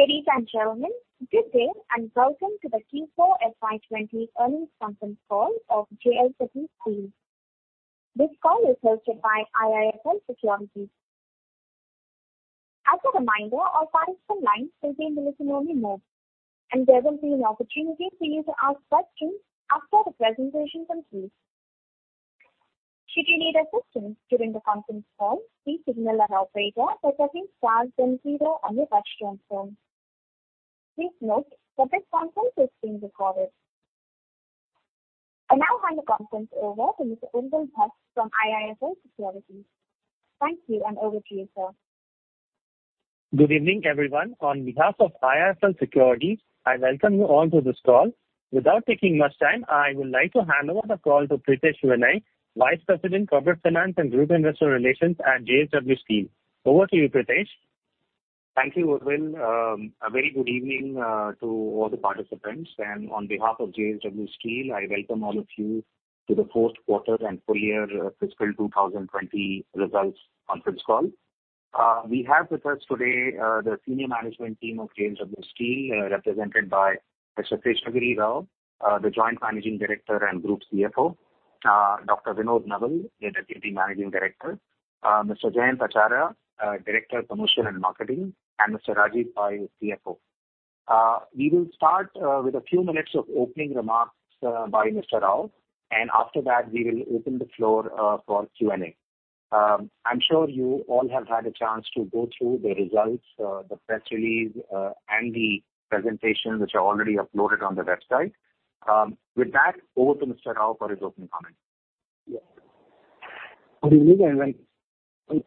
Ladies and gentlemen, good day and welcome to the Q4 FY 2020 Earnings Conference Call of JSW Steel. This call is hosted by IIFL Securities. As a reminder, all participant lines will be in English and only in English, and there will be an opportunity for you to ask questions after the presentation concludes. Should you need assistance during the conference call, please signal an operator by tapping the star signal on your touch-tone phone. Please note that this conference is being recorded. I now hand the conference over to Mr. Urvil Bhatt from IIFL Securities. Thank you, and over to you, sir. Good evening, everyone. On behalf of IIFL Securities, I welcome you all to this call. Without taking much time, I would like to hand over the call to Pritesh Vinay, Vice President, Corporate Finance and Group Investor Relations at JSW Steel. Over to you, Pritesh. Thank you, Urvil. A very good evening to all the participants, and on behalf of JSW Steel, I welcome all of you to the fourth quarter and full year fiscal 2020 results conference call. We have with us today the senior management team of JSW Steel, represented by Mr. Seshagiri Rao, the Joint Managing Director and Group CFO, Dr. Vinod Nowal, the Deputy Managing Director, Mr. Jayant Acharya, Director of Commercial and Marketing, and Mr. Rajeev Pai, CFO. We will start with a few minutes of opening remarks by Mr. Rao, and after that, we will open the floor for Q&A. I'm sure you all have had a chance to go through the results, the press release, and the presentation, which are already uploaded on the website. With that, over to Mr. Rao for his opening comments. Good evening, and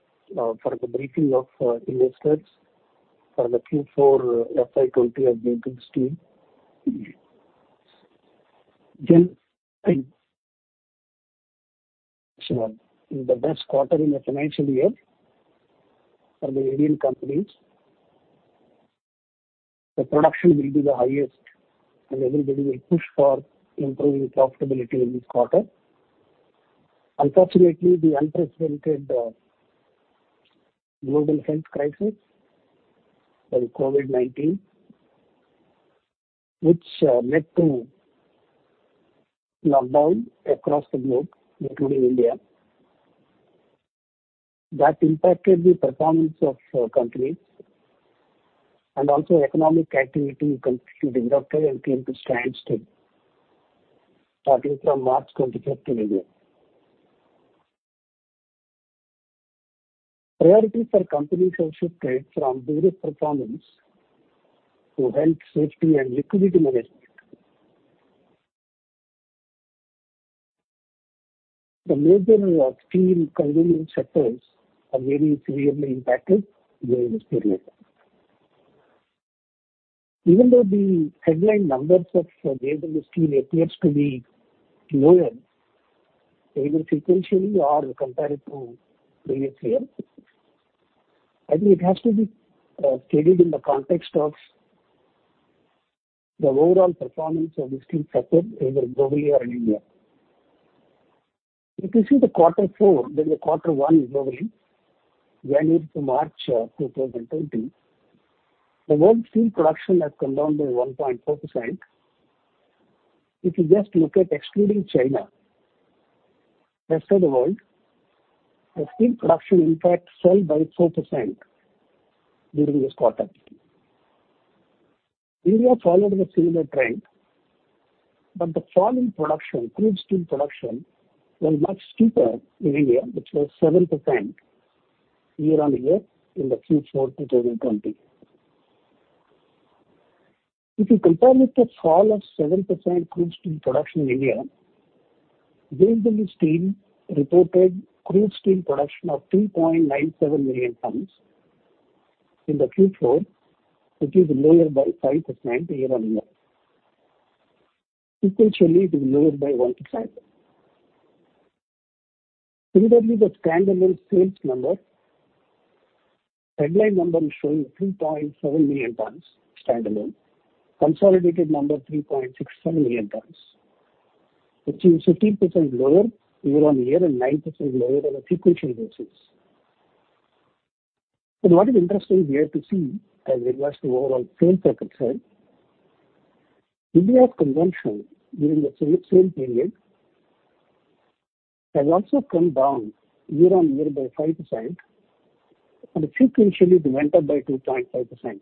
for the briefing of investors for the Q4 FY 2020 of JSW Steel. In the best quarter in the financial year for the Indian companies, the production will be the highest, and everybody will push for improving profitability in this quarter. Unfortunately, the unprecedented global health crisis of COVID-19, which led to lockdown across the globe, including India, that impacted the performance of companies and also economic activity continued to drop and came to a standstill starting from March 25th in India. Priorities for companies have shifted from business performance to health, safety, and liquidity management. The major steel consumer sectors are very severely impacted during this period. Even though the headline numbers of JSW Steel appear to be lower, either sequentially or compared to previous years, I think it has to be stated in the context of the overall performance of the steel sector, either globally or in India. If you see the quarter four, then the quarter one globally, January to March 2020, the world steel production has come down by 1.4%. If you just look at excluding China, the rest of the world, the steel production impact fell by 4% during this quarter. India followed a similar trend, but the fall in production, crude steel production, was much steeper in India, which was 7% year-on-year in the Q4 2020. If you compare with the fall of 7% crude steel production in India, JSW Steel reported crude steel production of 2.97 million tons in the Q4, which is lower by 5% year-on-year. Sequentially, it is lower by 1%. Similarly, the standalone sales number, headline number, is showing 3.7 million tons standalone, consolidated number 3.67 million tons, which is 15% lower year-on-year and 9% lower on a sequential basis. What is interesting here to see as regards to overall sales per capita, India's consumption during the same period has also come down year-on-year by 5%, and sequentially it went up by 2.5%.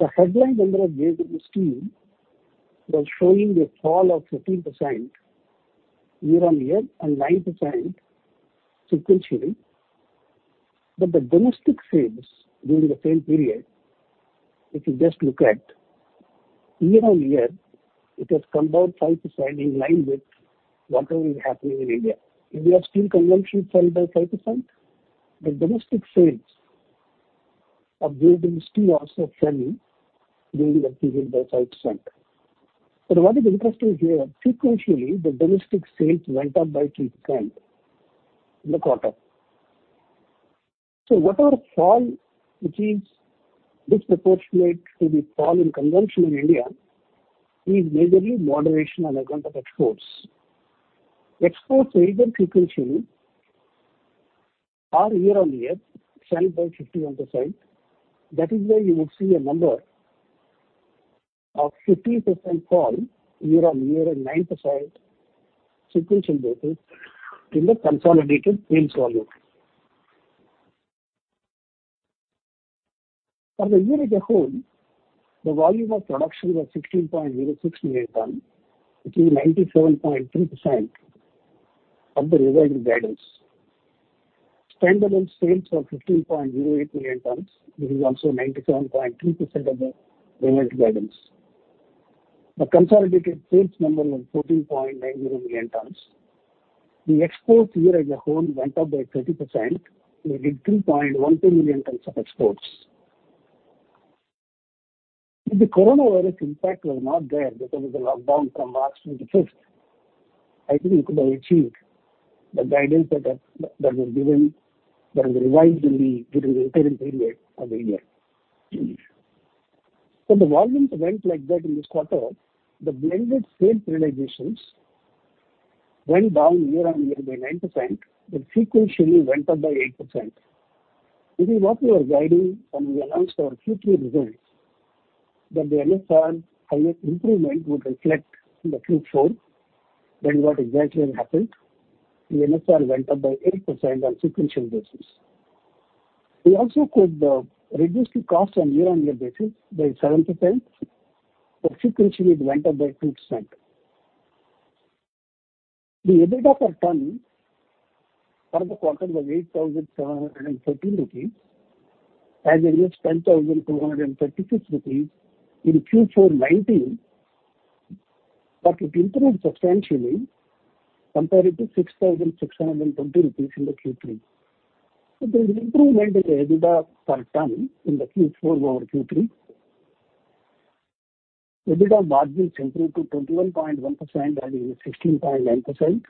The headline number of JSW Steel was showing a fall of 15% year-on-year and 9% sequentially, but the domestic sales during the same period, if you just look at year-on-year, it has come down 5% in line with whatever is happening in India. India's steel consumption fell by 5%, but domestic sales of JSW Steel also fell during that period by 5%. What is interesting here, sequentially the domestic sales went up by 3% in the quarter. Whatever fall, which is disproportionate to the fall in consumption in India, is majorly moderation on account of exports. Exports either sequentially or year-on-year fell by 50%. That is why you would see a number of 15% fall year-on-year and 9% sequential basis in the consolidated sales volume. For the year as a whole, the volume of production was 16.06 million tons, which is 97.3% of the revised guidance. Stand-alone sales were 15.08 million tons, which is also 97.3% of the revised guidance. The consolidated sales number was 14.90 million tons. The exports year as a whole went up by 30%, making 2.12 million tons of exports. If the coronavirus impact was not there because of the lockdown from March 25th, I think it could have achieved the guidance that was given, that was revised during the interim period of the year. The volumes went like that in this quarter. The blended sales realizations went down year-on-year by 9%, but sequentially went up by 8%. This is what we were guiding when we announced our Q3 results, that the MSR improvement would reflect in the Q4. That is what exactly happened. The MSR went up by 8% on sequential basis. We also quoted the reduced cost on year-on-year basis by 7%, but sequentially it went up by 2%. The EBITDA per ton for the quarter was 8,713 rupees, as it was 10,236 rupees in Q4 2019, but it improved substantially compared to 6,620 rupees in the Q3. There is improvement in the EBITDA per ton in Q4 over Q3. EBITDA margins improved to 21.1% and 16.9%.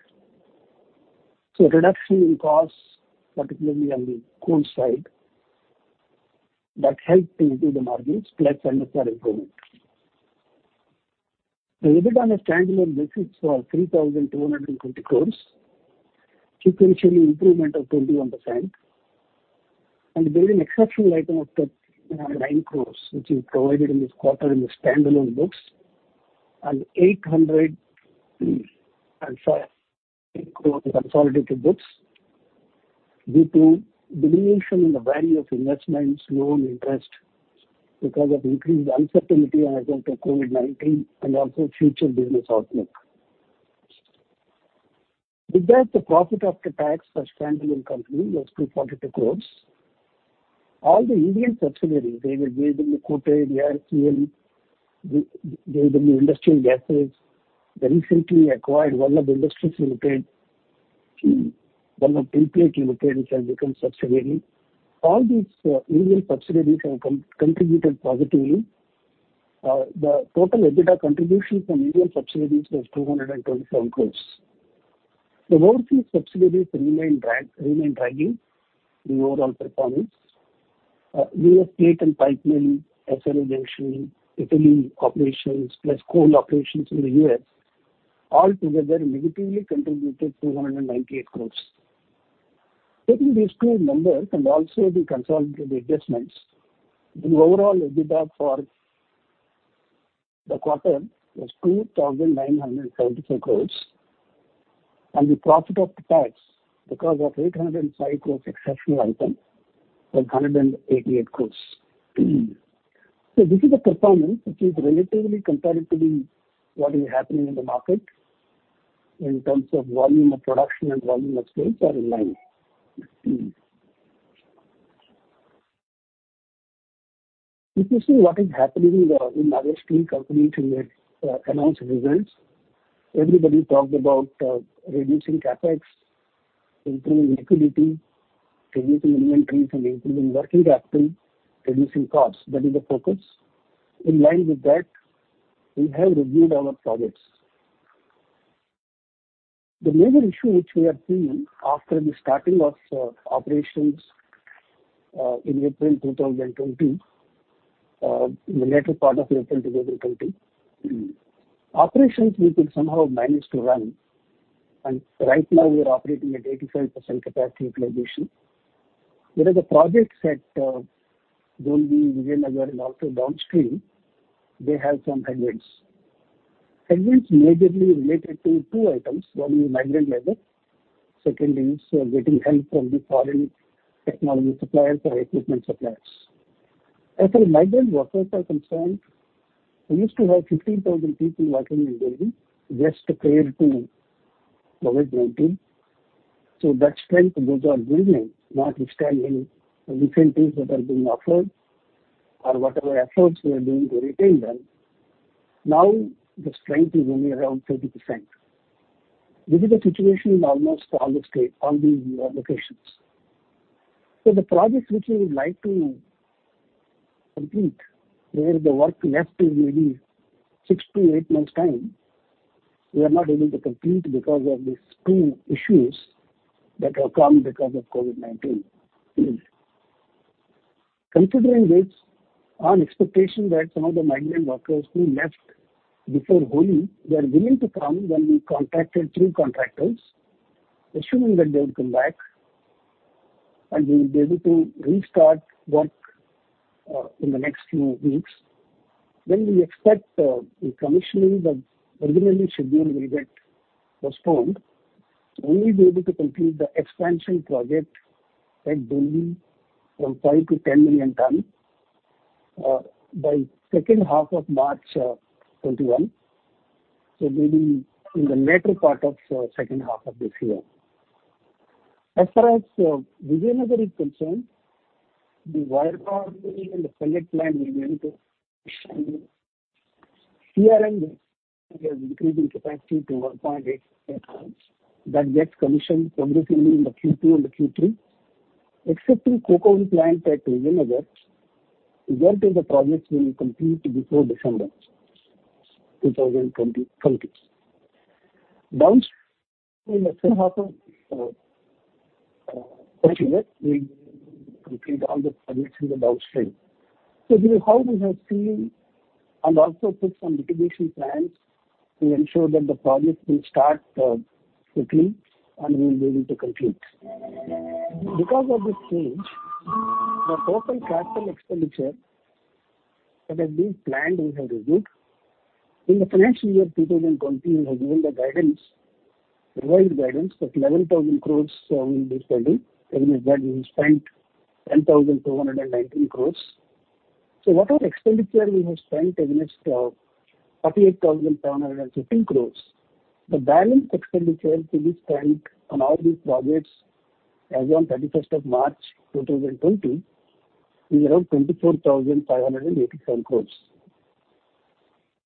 Reduction in costs, particularly on the coal side, helped to improve the margins, plus MSR improvement. The EBITDA on a standalone basis was 3,220, sequentially improvement of 21%, and there is an exceptional item of 9, which is provided in this quarter in the stand-alone books and 800 and 500 crore consolidated books due to diminution in the value of investments, loan interest because of increased uncertainty as of the COVID-19 and also future business outlook. With that, the profit after tax for standalone company was 242 crore. All the Indian subsidiaries, JSW Colour Limited, Jindal Rajasthan Steel & Power, JSW Industrial Gases, the recently acquired JSW Vallabh Industries Limited, JSW Vallabh Tinplate Limited, which has become subsidiary, all these Indian subsidiaries have contributed positively. The total EBITDA contribution from Indian subsidiaries was 227 crore. The overseas subsidiaries remain dragging the overall performance. U.S. Steel and Pipeline, SRO Junction, Italy operations, plus coal operations in the U.S. all together negatively contributed 298 crore. Taking these two numbers and also the consolidated adjustments, the overall EBITDA for the quarter was 2,974 crore, and the profit after tax because of 805 crore exceptional item was 188 crore. This is a performance which is relatively compared to what is happening in the market in terms of volume of production and volume of sales are in line. If you see what is happening in other steel companies when they announce results, everybody talked about reducing CapEx, improving liquidity, reducing inventories, and improving working capital, reducing costs. That is the focus. In line with that, we have reviewed our projects. The major issue which we have seen after the starting of operations in April 2020, in the later part of April 2020, operations we could somehow manage to run, and right now we are operating at 85% capacity utilization. There is a project at Dolvi, Vijayanagar, and also downstream; they have some headwinds. Headwinds majorly related to two items: one is migrant labor, second is getting help from the foreign technology suppliers or equipment suppliers. As far as migrant workers are concerned, we used to have 15,000 people working in Dolvi, just prior to COVID-19. So that strength goes on building, notwithstanding the incentives that are being offered or whatever efforts we are doing to retain them. Now the strength is only around 30%. This is a situation in almost all the states, all the locations. The projects which we would like to complete, where the work left is maybe six to eight months' time, we are not able to complete because of these two issues that have come because of COVID-19. Considering this, our expectation that some of the migrant workers who left before Holi were willing to come when we contacted through contractors, assuming that they would come back and we would be able to restart work in the next few weeks. We expect the commissioning that was originally scheduled will get postponed. We will be able to complete the expansion project at Dolvi from 5 to 10 million tons by the second half of March 2021, so maybe in the later part of the second half of this year. As far as Vijayanagar is concerned, the wire rod mill and the pellet plant will be able to commission. CRM has increased in capacity to 1.8 tons. That gets commissioned progressively in the Q2 and the Q3, excepting Cocoon Plant at Vijayanagar, where the projects will be completed before December 2020. Downstream in the second half of the year, we will complete all the projects in the downstream. This is how we have seen and also put some mitigation plans to ensure that the projects will start quickly and we will be able to complete. Because of this change, the total capital expenditure that has been planned we have reviewed. In the financial year 2020, we have given the guidance, revised guidance that 11,000 crore will be spending. Against that, we have spent 10,219 crore. Whatever expenditure we have spent against 48,715 crore, the balance expenditure to be spent on all these projects as of 31st of March 2020 is around 24,587 crore.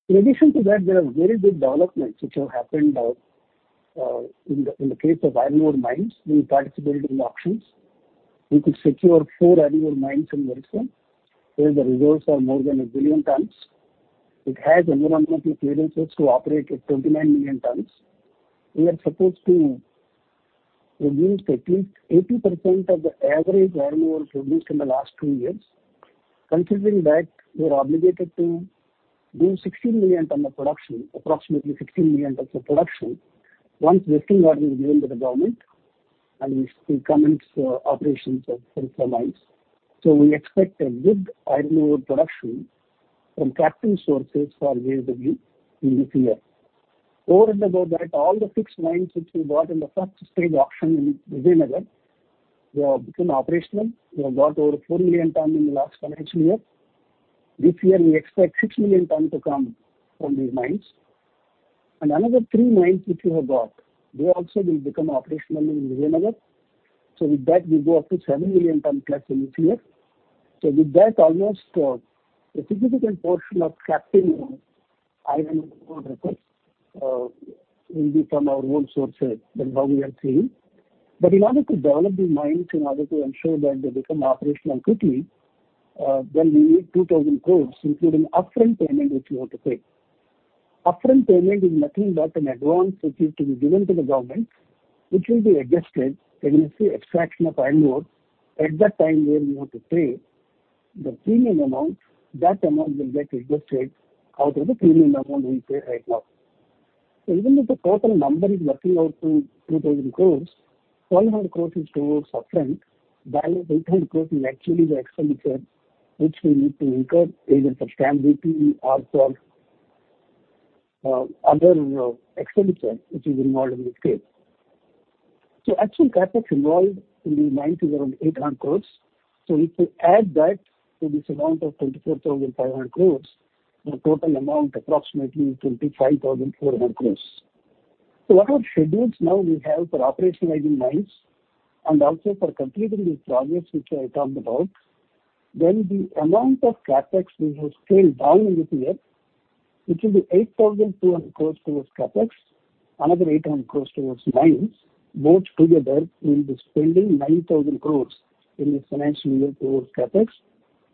In addition to that, there are very good developments which have happened in the case of iron ore mines. We participated in the auctions. We could secure four iron ore mines in Morison, where the reserves are more than a billion tons. It has environmental clearances to operate at 29 million tons. We are supposed to produce at least 80% of the average iron ore produced in the last two years. Considering that, we are obligated to do 16 million ton of production, approximately 16 million tons of production, once vesting orders given by the government and we commence operations of the mines. We expect a good iron ore production from capital sources for JSW Steel in this year. Over and above that, all the six mines which we got in the first stage auction in Vijayanagar became operational. We have got over 4 million ton in the last financial year. This year, we expect 6 million ton to come from these mines. Another three mines which we have got, they also will become operational in Vijayanagar. With that, we go up to 7 million ton plus in this year. With that, almost a significant portion of captive iron ore records will be from our own sources than what we are seeing. In order to develop these mines, in order to ensure that they become operational quickly, we need 2,000 crore, including upfront payment which we have to pay. Upfront payment is nothing but an advance which is to be given to the government, which will be adjusted against the extraction of iron ore at that time where we have to pay the premium amount. That amount will get adjusted out of the premium amount we pay right now. Even if the total number is working out to 2,000 crore, 1,200 crore is towards upfront. 1,200 crore is actually the expenditure which we need to incur either for stamp duty or for other expenditure which is involved in this case. Actual CapEx involved in these mines is around 800 crore. If we add that to this amount of 24,500 crore, the total amount is approximately 25,400 crore. Whatever schedules now we have for operationalizing mines and also for completing these projects which I talked about, the amount of CapEx we have scaled down in this year will be 8,200 crore towards CapEx, another 800 crore towards mines. Both together, we will be spending 9,000 crore in this financial year towards CapEx.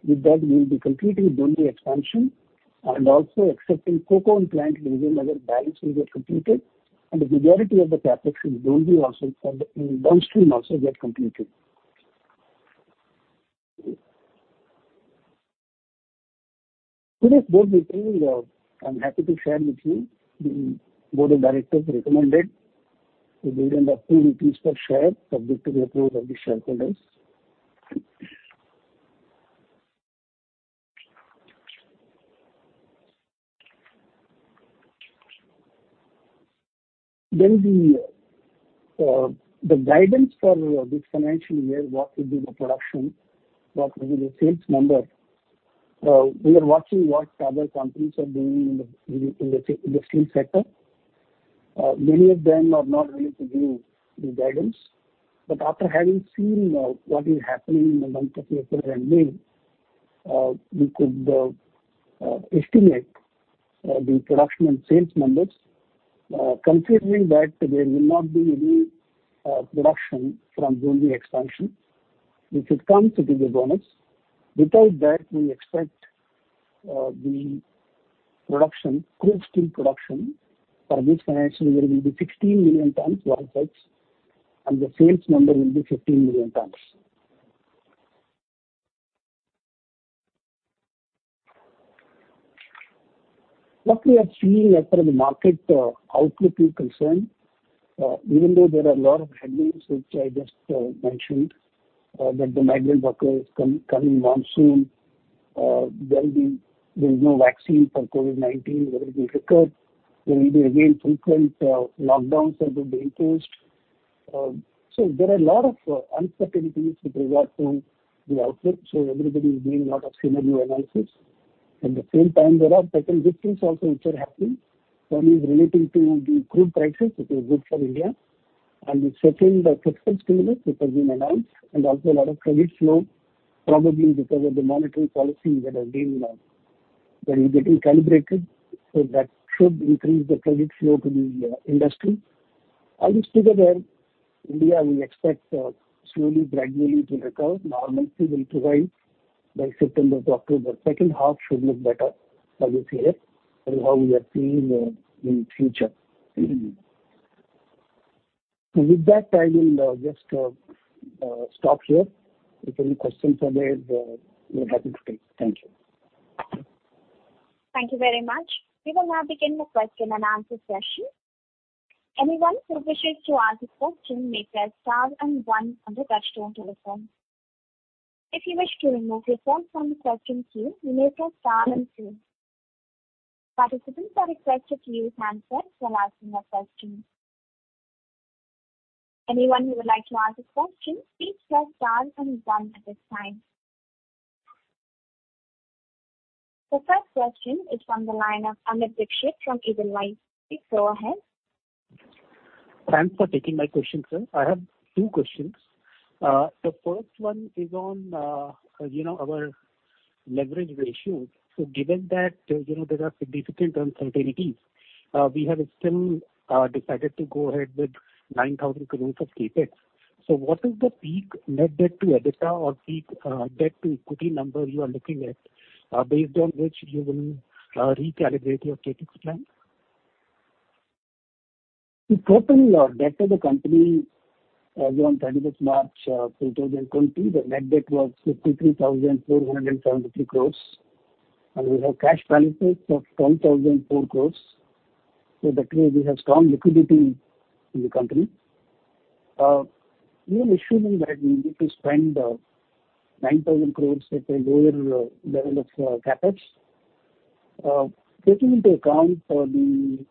With that, we will be completing Dolvi expansion and also accepting Coke Oven Plant in Vijayanagar. Balance will get completed, and the majority of the CapEx in Dolvi also in downstream also get completed. Today's board meeting, I'm happy to share with you the board of directors recommended dividend at 2 per share, subject to the approval of the shareholders. The guidance for this financial year, what will be the production, what will be the sales number. We are watching what other companies are doing in the steel sector. Many of them are not willing to give the guidance, but after having seen what is happening in the month of April and May, we could estimate the production and sales numbers, considering that there will not be any production from Dolvi expansion. If it comes, it is a bonus. Without that, we expect the production, crude steel production for this financial year will be 16 million tons. CapEx and the sales number will be 15 million tons. What we are seeing as far as the market outlook is concerned, even though there are a lot of headwinds which I just mentioned, that the migrant workers coming on soon, there will be no vaccine for COVID-19, whether it will recur, there will be again frequent lockdowns that will be imposed. There are a lot of uncertainties with regard to the outlook, so everybody is doing a lot of scenario analysis. At the same time, there are certain victims also which are happening. One is relating to the crude prices, which is good for India, and the second, the fiscal stimulus which has been announced, and also a lot of credit flow, probably because of the monetary policy that has been getting calibrated, so that should increase the credit flow to the industry. All this together, India, we expect slowly, gradually to recur. Normally, we will provide by September to October. Second half should look better for this year and how we are seeing in future. I will just stop here. If any questions are there, we're happy to take. Thank you. Thank you very much. We will now begin the question-and-answer session. Anyone who wishes to ask a question may press star and one on the touchstone telephone. If you wish to remove your phone from the question queue, you may press star and two. Participants are requested to use handsets while asking their questions. Anyone who would like to ask a question, please press star and one at this time. The first question is from the line of Amit Dixit from Edelweiss. Please go ahead. Thanks for taking my question, sir. I have two questions. The first one is on our leverage ratio. Given that there are significant uncertainties, we have still decided to go ahead with 9,000 crore of CapEx. What is the peak net debt-to-EBITDA or peak debt-to-equity number you are looking at based on which you will recalibrate your CapEx plan? The total debt of the company as of 31st March 2020, the net debt was 53,473 crore, and we have cash balances of 12,004 crore. That way, we have strong liquidity in the company. We are assuming that we need to spend 9,000 crore at a lower level of CapEx. Taking into account the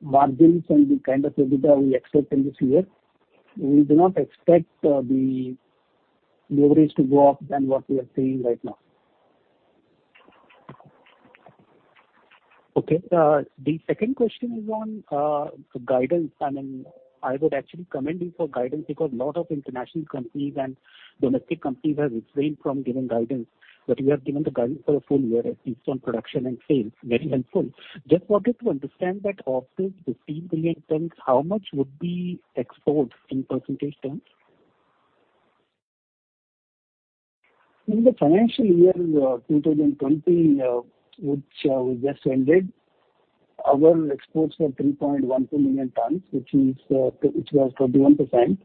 margins and the kind of EBITDA we expect in this year, we do not expect the leverage to go up than what we are seeing right now. Okay. The second question is on guidance. I mean, I would actually commend you for guidance because a lot of international companies and domestic companies have refrained from giving guidance, but you have given the guidance for the full year based on production and sales. Very helpful. Just wanted to understand that of this 15 million tons, how much would be exports in percentage terms? In the financial year 2020, which we just ended, our exports were 3.12 million tons, which was 21%.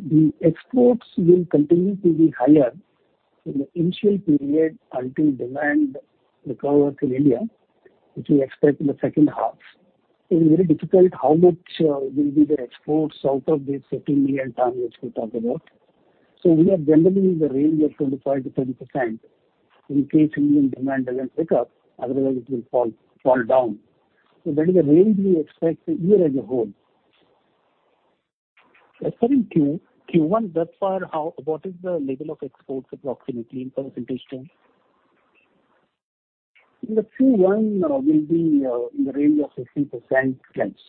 The exports will continue to be higher in the initial period until demand recovers in India, which we expect in the second half. It is very difficult how much will be the exports out of this 15 million tons which we talked about. We are generally in the range of 25%-30% in case Indian demand does not pick up, otherwise it will fall down. That is the range we expect the year as a whole. As far as Q1, thus far, what is the level of exports approximately in percentage terms? The Q1 will be in the range of 15%. Thanks.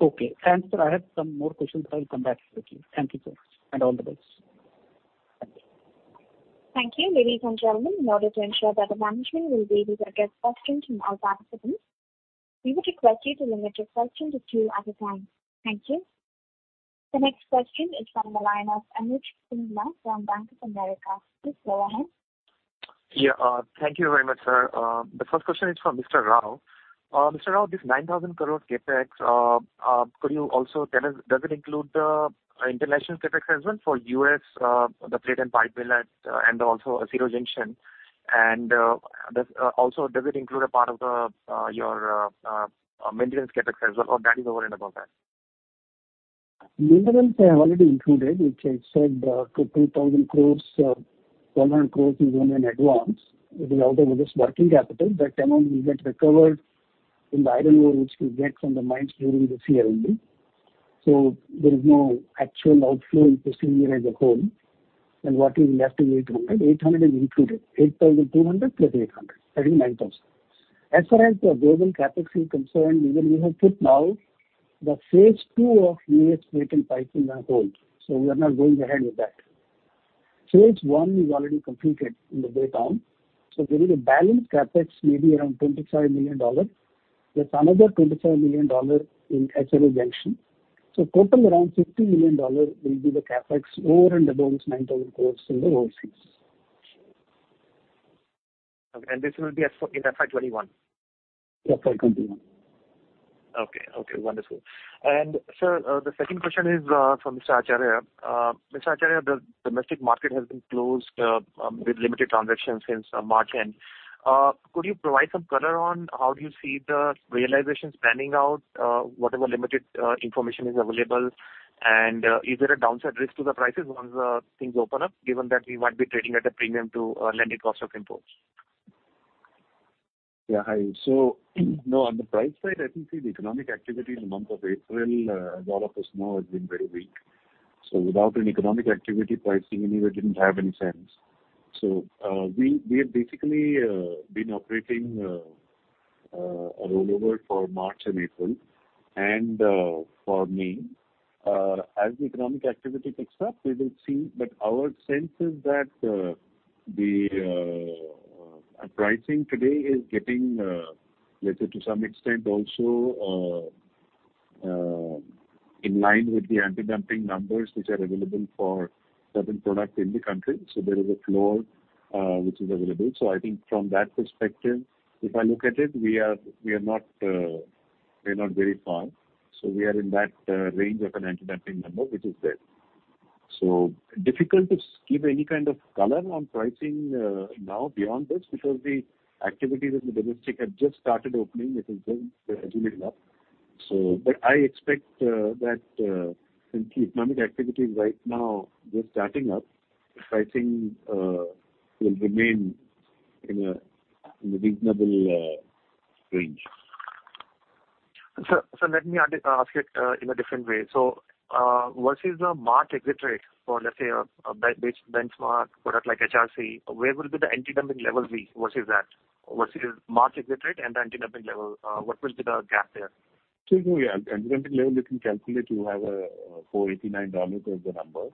Okay. Thanks, sir. I have some more questions, but I will come back to you. Thank you so much and all the best. Thank you. Thank you, ladies and gentlemen. In order to ensure that the management will be able to get questions from all participants, we would request you to limit your questions to two at a time. Thank you. The next question is from the line of Amit Singh from Bank of America. Please go ahead. Yeah. Thank you very much, sir. The first question is from Mr. Rao. Mr. Rao, this 9,000 crore CapEx, could you also tell us, does it include the international CapEx as well for U.S., the plate and pipe mill and also zero junction? Also, does it include a part of your maintenance CapEx as well, or that is over and above that? Maintenance I have already included, which I said to be 2,000 crore, 1,000 crore is only an advance. It is out of this working capital. That amount will get recovered in the iron ore which we get from the mines during this year only. There is no actual outflow in fiscal year as a whole. What is left is 800. 800 is included. 8,200 + 800. That is 9,000. As far as the global CapEx is concerned, even we have put now the phase two of U.S. plate and pipe in the hold. We are not going ahead with that. Phase one is already completed in the daytime. There is a balance CapEx maybe around $25 million. There is another $25 million in SLO junction. Total around $50 million will be the CapEx over and above this 9,000 crore in the overseas. Okay. This will be in FY 2021? FY 2021. Okay. Okay. Wonderful. Sir, the second question is from Mr. Acharya. Mr. Acharya, the domestic market has been closed with limited transactions since March end. Could you provide some color on how do you see the realizations panning out, whatever limited information is available, and is there a downside risk to the prices once things open up, given that we might be trading at a premium to lending cost of imports? Yeah. Hi. No, on the price side, I think the economic activity in the month of April, as all of us know, has been very weak. Without an economic activity, pricing anyway did not have any sense. We have basically been operating a rollover for March and April. For May, as the economic activity picks up, we will see. Our sense is that the pricing today is getting, let's say, to some extent also in line with the anti-dumping numbers which are available for certain products in the country. There is a floor which is available. I think from that perspective, if I look at it, we are not very far. We are in that range of an anti-dumping number which is there. Difficult to give any kind of color on pricing now beyond this because the activities in the domestic have just started opening. It is just gradually up. I expect that since the economic activity is right now just starting up, pricing will remain in a reasonable range. Let me ask it in a different way. Versus the March exit rate for, let's say, a benchmark product like HRC, where would be the anti-dumping level versus that? Versus March exit rate and the anti-dumping level, what will be the gap there? Yeah, the anti-dumping level we can calculate to have a $489 as the number.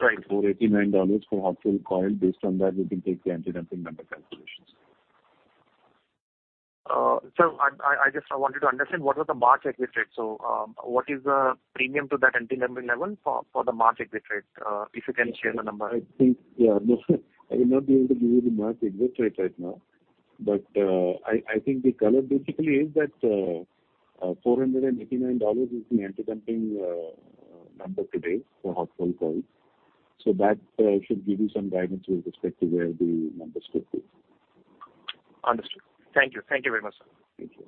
$489 for hot rolled coil. Based on that, we can take the anti-dumping number calculations. I just wanted to understand, what was the March exit rate? What is the premium to that anti-dumping level for the March exit rate if you can share the number? I think, yeah, I will not be able to give you the March exit rate right now, but I think the color basically is that $489 is the anti-dumping number today for hot rolled coil. That should give you some guidance with respect to where the numbers could be. Understood. Thank you. Thank you very much, sir. Thank you.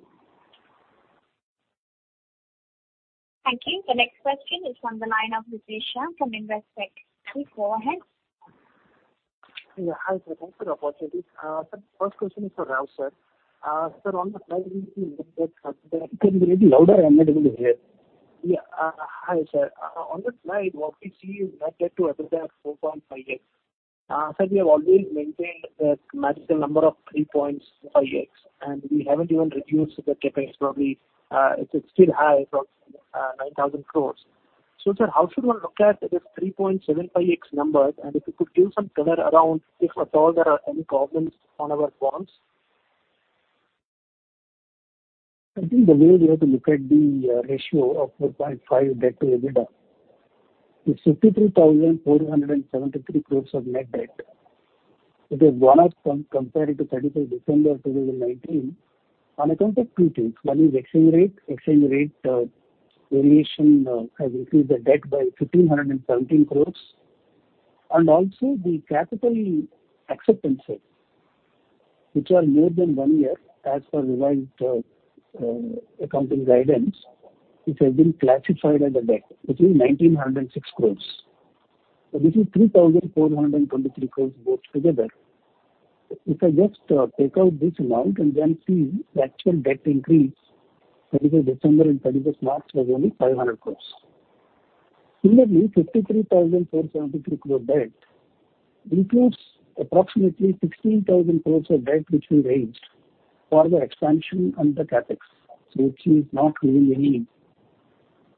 Thank you. The next question is from the line of Niti Shah from Invest Tech. Please go ahead. Yeah. Hi, sir. Thanks for the opportunity. First question is for Rao, sir. Sir, on the slide, we see net debt to. Can you make it louder? I'm not able to hear. Yeah. Hi, sir. On the slide, what we see is net debt-to-EBITDA at 4.5x. Sir, we have always maintained that magical number of 3.75x, and we haven't even reduced the CapEx. It's still high, 9,000 crore. So sir, how should one look at this 3.75x number? And if you could give some color around if at all there are any problems on our bonds? I think the way we have to look at the ratio of 4.5x debt-to-EBITDA is 53,473 crore of net debt. It is one outcome compared to 31st December 2019. On account of two things. One is exchange rate. Exchange rate variation has increased the debt by 1,517 crore. Also, the capital acceptances, which are more than one year as per revised accounting guidance, have been classified as debt, which is 1,906 crore. This is 3,423 crore both together. If I just take out this amount and then see the actual debt increase, 31st December and 31st March was only 500 crore. Similarly, 53,473 crore debt includes approximately 16,000 crore of debt which we raised for the expansion and the CapEx, which is not really any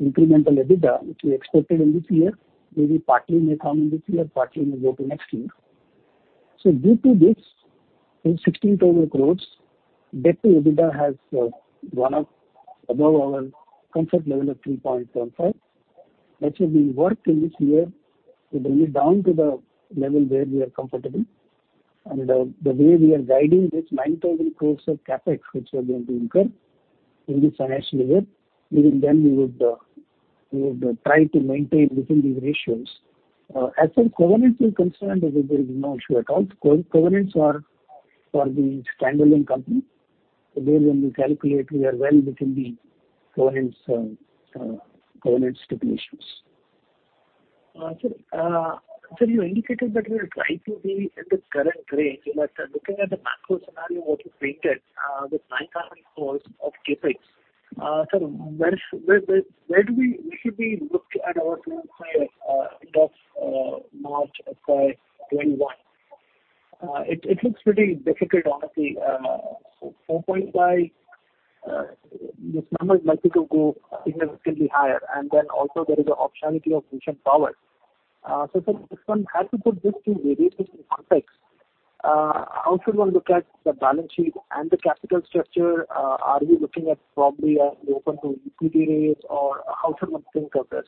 incremental EBITDA which we expected in this year. Maybe partly may come in this year, partly may go to next year. Due to this, 16,000 crore debt-to-EBITDA has gone up above our comfort level of 3.75x. That is what we worked in this year to bring it down to the level where we are comfortable. The way we are guiding this 9,000 crore of CapEx which we are going to incur in this financial year, even then we would try to maintain within these ratios. As for covenants with concern, there is no issue at all. Covenants are for the standalone company. There when we calculate, we are well within the covenants stipulations. Sir, you indicated that we will try to be in the current range. Looking at the macro scenario, what you painted with 9,000 crore of CapEx, sir, where should we look at our clients by end of March 2021? It looks pretty difficult, honestly. 4.5x, this number is likely to go significantly higher. There is also an optionality of Russian power. Sir, if one had to put these two variations in context, how should one look at the balance sheet and the capital structure? Are we looking at probably an open to equity rate, or how should one think of this?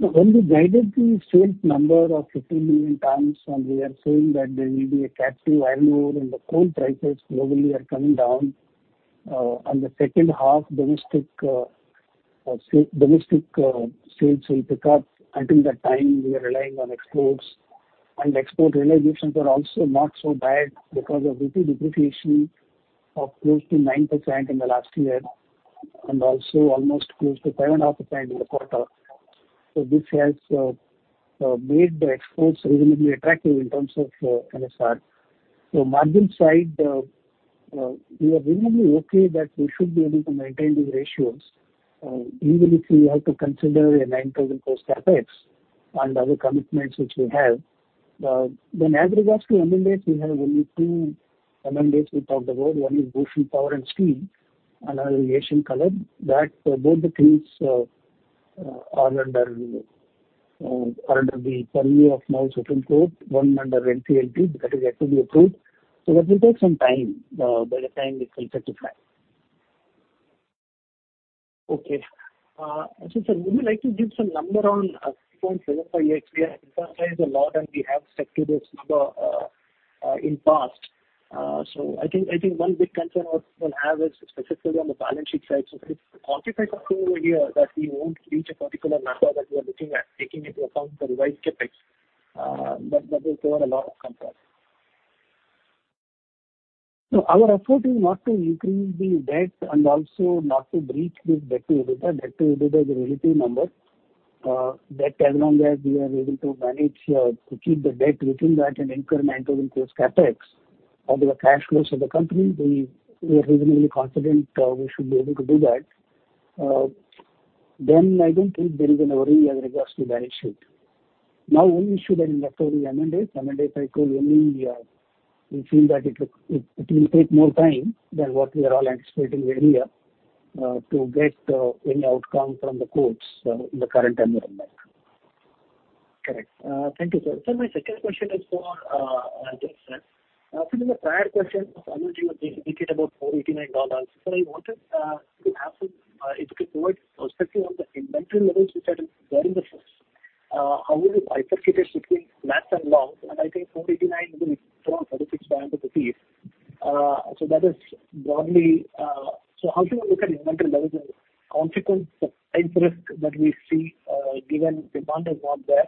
When we guided the sales number of 15 million tons, and we are saying that there will be a catch to iron ore and the coal prices globally are coming down, the second half domestic sales will pick up. Until that time, we are relying on exports. Export realizations are also not so bad because of equity depreciation of close to 9% in the last year and also almost close to 5.5% in the quarter. This has made the exports reasonably attractive in terms of MSR. Margin side, we are reasonably okay that we should be able to maintain these ratios. Even if we have to consider an 9,000 crore CapEx and other commitments which we have, then as regards to amendments, we have only two amendments we talked about. One is Bhushan Power and Steel, another is Asian Colour. That both the things are under the purview of now Supreme Court, one under NCLT. That is yet to be approved. That will take some time by the time it's consectified. Okay. Sir, would you like to give some number on 3.75x? We have advertised a lot, and we have stuck to this number in the past. I think one big concern we'll have is specifically on the balance sheet side. If we quantify something over here that we won't reach a particular number that we are looking at, taking into account the revised CapEx, that will throw a lot of complex. Our effort is not to increase the debt and also not to breach this debt-to-EBITDA. Debt-to-EBITDA is a relative number. Debt, as long as we are able to manage to keep the debt within that and incremental in close CapEx or the cash flows of the company, we are reasonably confident we should be able to do that. I do not think there is a worry as regards to balance sheet. Now, one issue that is left over is amendments. Amendments, I call only, we feel that it will take more time than what we are all anticipating here to get any outcome from the courts in the current environment. Correct. Thank you, sir. Sir, my second question is for Rajeev, sir. In the prior question, I know you indicated about $489. Sir, I wanted to have some if you could provide perspective on the inventory levels which are there in the ships, how will you bifurcate it between flats and longs? I think $489 will throw a INR 36,500. That is broadly. How should one look at inventory levels and consequence of price risk that we see given demand is not there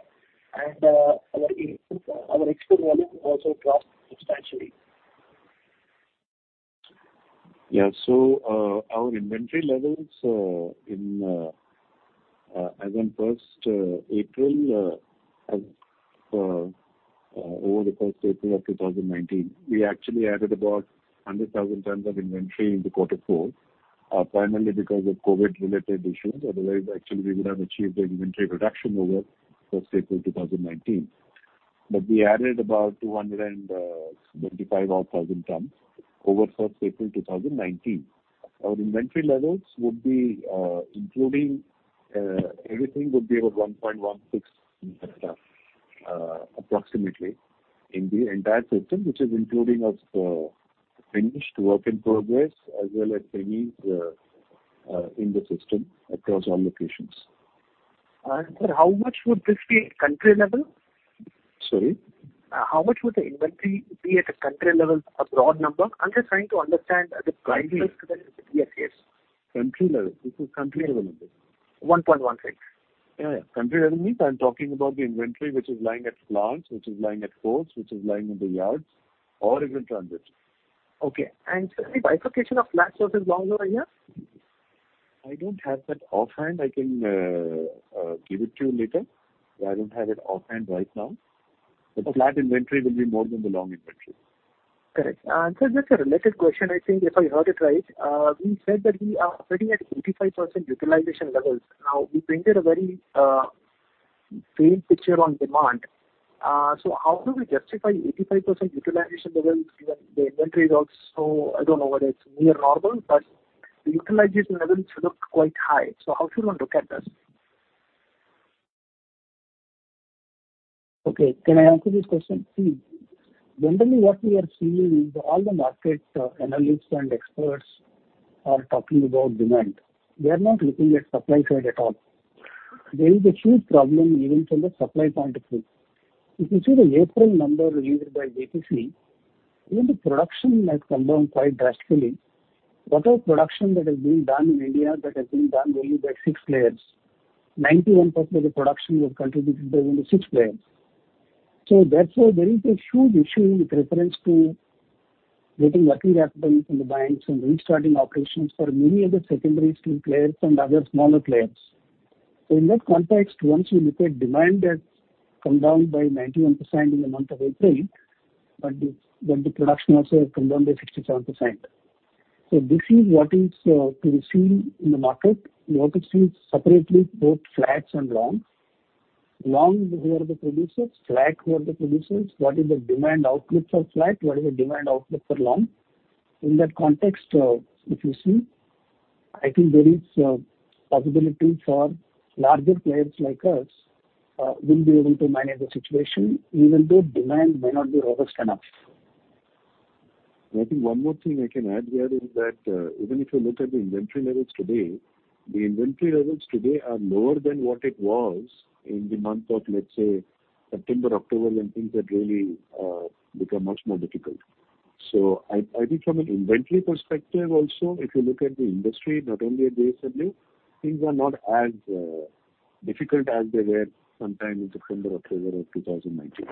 and our export volume also dropped substantially? Yeah. Our inventory levels as of 1st April, as of over 1st April of 2019, we actually added about 100,000 tons of inventory in quarter four, primarily because of COVID-related issues. Otherwise, actually, we would have achieved the inventory reduction over 1st April 2019. We added about 225,000 tons over 1st April 2019. Our inventory levels would be, including everything, would be about 1.16 hectares approximately in the entire system, which is including finished, work in progress, as well as semis in the system across all locations. Sir, how much would this be at country level? Sorry? How much would the inventory be at a country level, a broad number? I'm just trying to understand the price risk. Yes, yes. Country level. This is country level only. 1.16. Yeah, yeah. Country level means I'm talking about the inventory which is lying at plants, which is lying at ports, which is lying in the yards, or even transit. Okay. Sir, the bifurcation of flat versus longs over here? I don't have that offhand. I can give it to you later. I don't have it offhand right now. But flat inventory will be more than the long inventory. Correct. Sir, just a related question. I think if I heard it right, we said that we are operating at 85% utilization levels. Now, we painted a very faint picture on demand. How do we justify 85% utilization levels given the inventory is also, I do not know whether it is near normal, but the utilization levels look quite high. How should one look at this? Okay. Can I answer this question? See, generally, what we are seeing is all the market analysts and experts are talking about demand. They are not looking at the supply side at all. There is a huge problem even from the supply point of view. If you see the April number released by the Joint Plant Committee, even the production has come down quite drastically. Whatever production that has been done in India has been done only by six players. 91% of the production was contributed by only six players. Therefore, there is a huge issue with reference to getting lucky capital from the banks and restarting operations for many of the secondary skilled players and other smaller players. In that context, once you look at demand that's come down by 91% in the month of April, the production also has come down by 67%. This is what is to be seen in the market. You have to see separately both flats and longs. Longs, who are the producers? Flats, who are the producers? What is the demand outlook for flats? What is the demand outlook for longs? In that context, if you see, I think there is a possibility for larger players like us will be able to manage the situation even though demand may not be robust enough. I think one more thing I can add here is that even if you look at the inventory levels today, the inventory levels today are lower than what it was in the month of, let's say, September, October when things had really become much more difficult. I think from an inventory perspective also, if you look at the industry, not only at JSW Steel, things are not as difficult as they were sometime in September, October of 2019.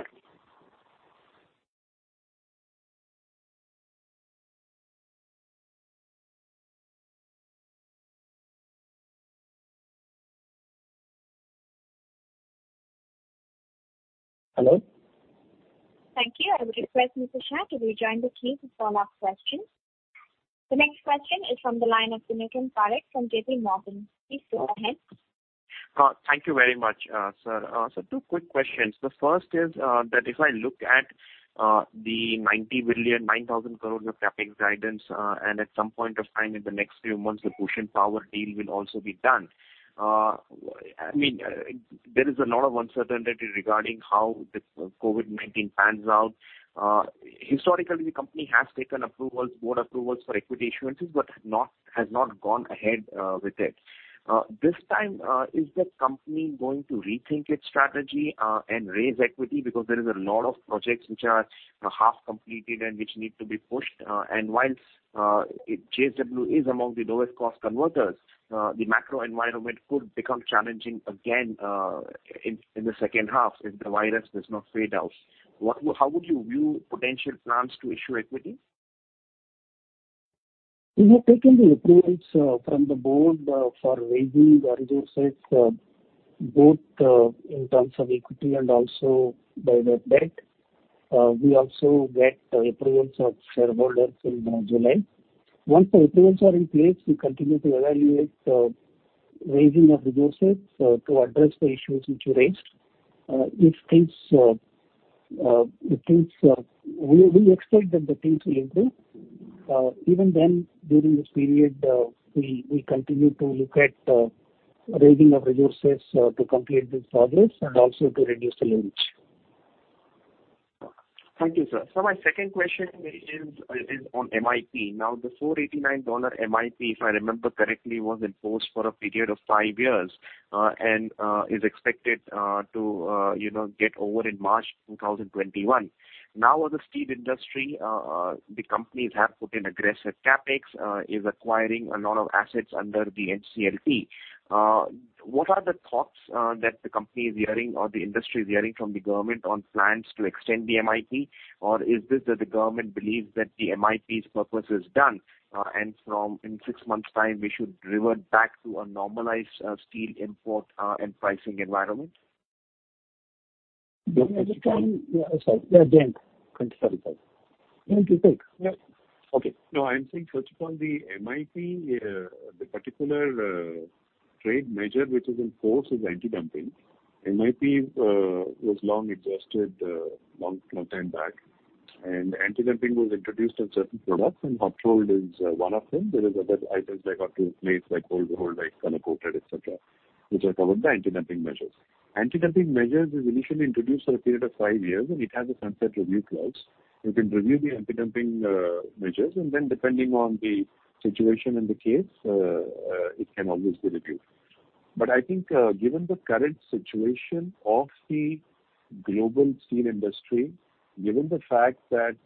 Hello? Thank you. I would request Niti Shah to rejoin the queue to follow-up questions. The next question is from the line of Nikhil Parekh from JPMorgan. Please go ahead. Thank you very much, sir. Sir, two quick questions. The first is that if I look at the 9,000 crore of CapEx guidance, and at some point of time in the next few months, the Bhushan Power and Steel deal will also be done. I mean, there is a lot of uncertainty regarding how the COVID-19 pans out. Historically, the company has taken approvals, board approvals for equity issuances, but has not gone ahead with it. This time, is the company going to rethink its strategy and raise equity because there are a lot of projects which are half completed and which need to be pushed? While JSW is among the lowest-cost converters, the macro environment could become challenging again in the second half if the virus does not fade out. How would you view potential plans to issue equity? We have taken the approvals from the board for raising resources, both in terms of equity and also by the debt. We also get the approvals of shareholders in July. Once the approvals are in place, we continue to evaluate the raising of resources to address the issues which you raised. If things, we expect that the things will improve. Even then, during this period, we continue to look at raising of resources to complete this progress and also to reduce the leverage. Thank you, sir. Sir, my second question is on MIP. Now, the $489 MIP, if I remember correctly, was enforced for a period of five years and is expected to get over in March 2021. Now, as a steel industry, the companies have put in aggressive CapEx, is acquiring a lot of assets under the NCLT. What are the thoughts that the company is hearing or the industry is hearing from the government on plans to extend the MIP? Or is this that the government believes that the MIP's purpose is done and from in six months' time, we should revert back to a normalized steel import and pricing environment? Yeah, sorry. Yeah, Jayant. Thank you. Yeah, go ahead. Thanks. Yep. Okay. No, I'm saying first of all, the MIP, the particular trade measure which is enforced is anti-dumping. MIP was long-existed, long time back. And anti-dumping was introduced on certain products, and hot roll is one of them. There are other items like hot roll plates, like cold roll, like color coated, etc., which are covered by anti-dumping measures. Anti-dumping measures are initially introduced for a period of five years, and it has a sunset review clause. You can review the anti-dumping measures, and then depending on the situation and the case, it can always be reviewed. I think given the current situation of the global steel industry, given the fact that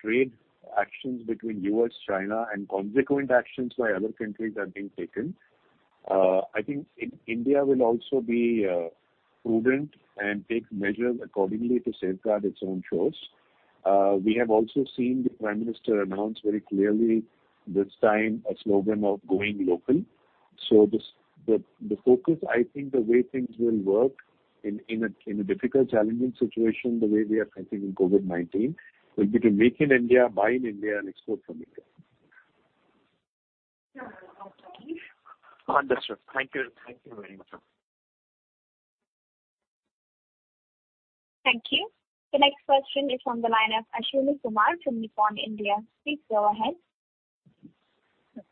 trade actions between U.S., China, and consequent actions by other countries are being taken, I think India will also be prudent and take measures accordingly to safeguard its own shores. We have also seen the Prime Minister announce very clearly this time a slogan of going local. The focus, I think the way things will work in a difficult, challenging situation, the way we are facing in COVID-19, will be to make in India, buy in India, and export from India. Understood. Thank you. Thank you very much, sir. Thank you. The next question is from the line of Ashwani Kumar from Nippon India. Please go ahead.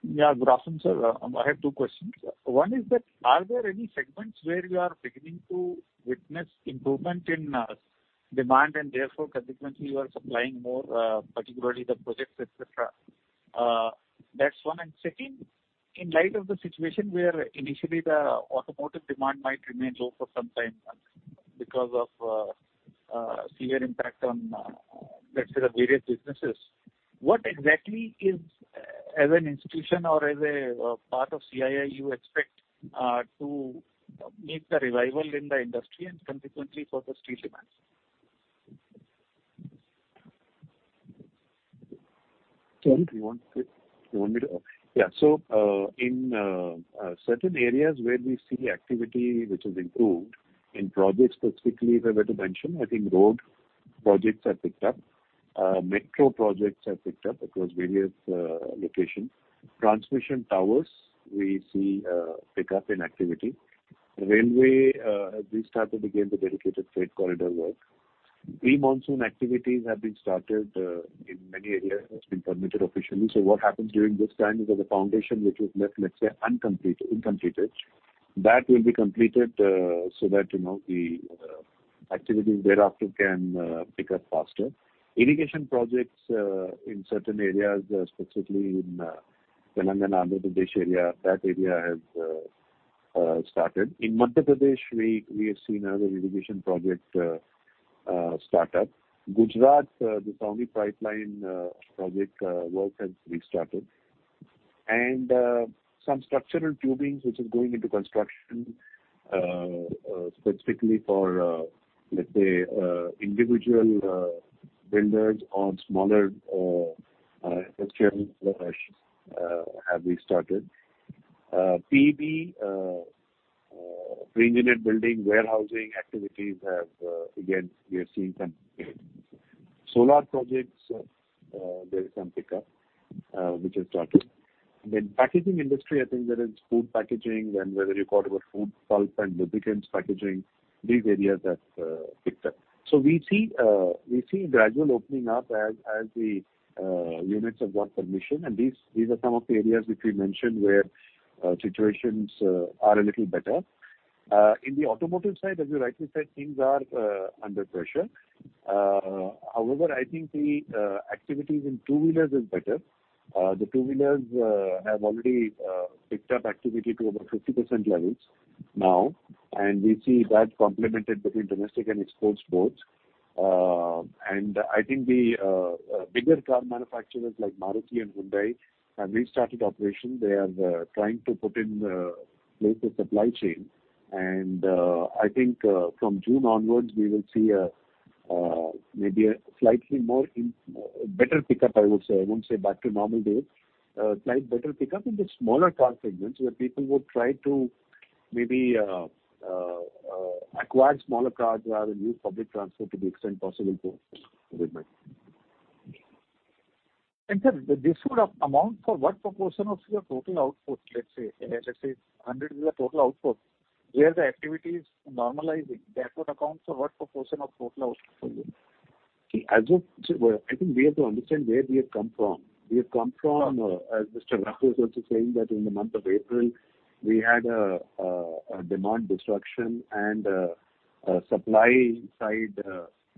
Yeah, good afternoon, sir. I have two questions. One is that are there any segments where you are beginning to witness improvement in demand, and therefore consequently, you are supplying more, particularly the projects, etc.? That's one. Second, in light of the situation where initially the automotive demand might remain low for some time because of severe impact on, let's say, the various businesses, what exactly is, as an institution or as a part of CII, you expect to make the revival in the industry and consequently for the steel demand? Sorry? Do you want me to? Yeah. In certain areas where we see activity which has improved in projects specifically where we had to mention, I think road projects have picked up. Metro projects have picked up across various locations. Transmission towers, we see pickup in activity. Railway, we started again the dedicated freight corridor work. Pre-monsoon activities have been started in many areas. It's been permitted officially. What happens during this time is that the foundation which was left, let's say, uncompleted, incompleted, that will be completed so that the activities thereafter can pick up faster. Irrigation projects in certain areas, specifically in Telangana, Pradesh area, that area has started. In Madhya Pradesh, we have seen another irrigation project start up. Gujarat, the Sauni pipeline project work has restarted. Some structural tubings which are going into construction, specifically for, let's say, individual builders or smaller HKLS, have restarted. PB, pre-engineered building warehousing activities have, again, we have seen some solar projects, there is some pickup which has started. Packaging industry, I think there is food packaging, and whether you call it food pulp and lubricants packaging, these areas have picked up. We see a gradual opening up as the units have got permission. These are some of the areas which we mentioned where situations are a little better. In the automotive side, as you rightly said, things are under pressure. However, I think the activities in two-wheelers is better. The two-wheelers have already picked up activity to about 50% levels now. We see that complemented between domestic and exports both. I think the bigger car manufacturers like Maruti and Hyundai have restarted operation. They are trying to put in place a supply chain. I think from June onwards, we will see maybe a slightly more better pick-up, I would say. I will not say back to normal days. Slight better pick-up in the smaller car segments where people would try to maybe acquire smaller cars rather than use public transport to the extent possible for the segment. Sir, this would amount for what proportion of your total output, let's say, let's say 100 is the total output. Where the activity is normalizing, that would account for what proportion of total output for you? See, as of I think we have to understand where we have come from. We have come from, as Mr. Raj was also saying, that in the month of April, we had a demand disruption and a supply side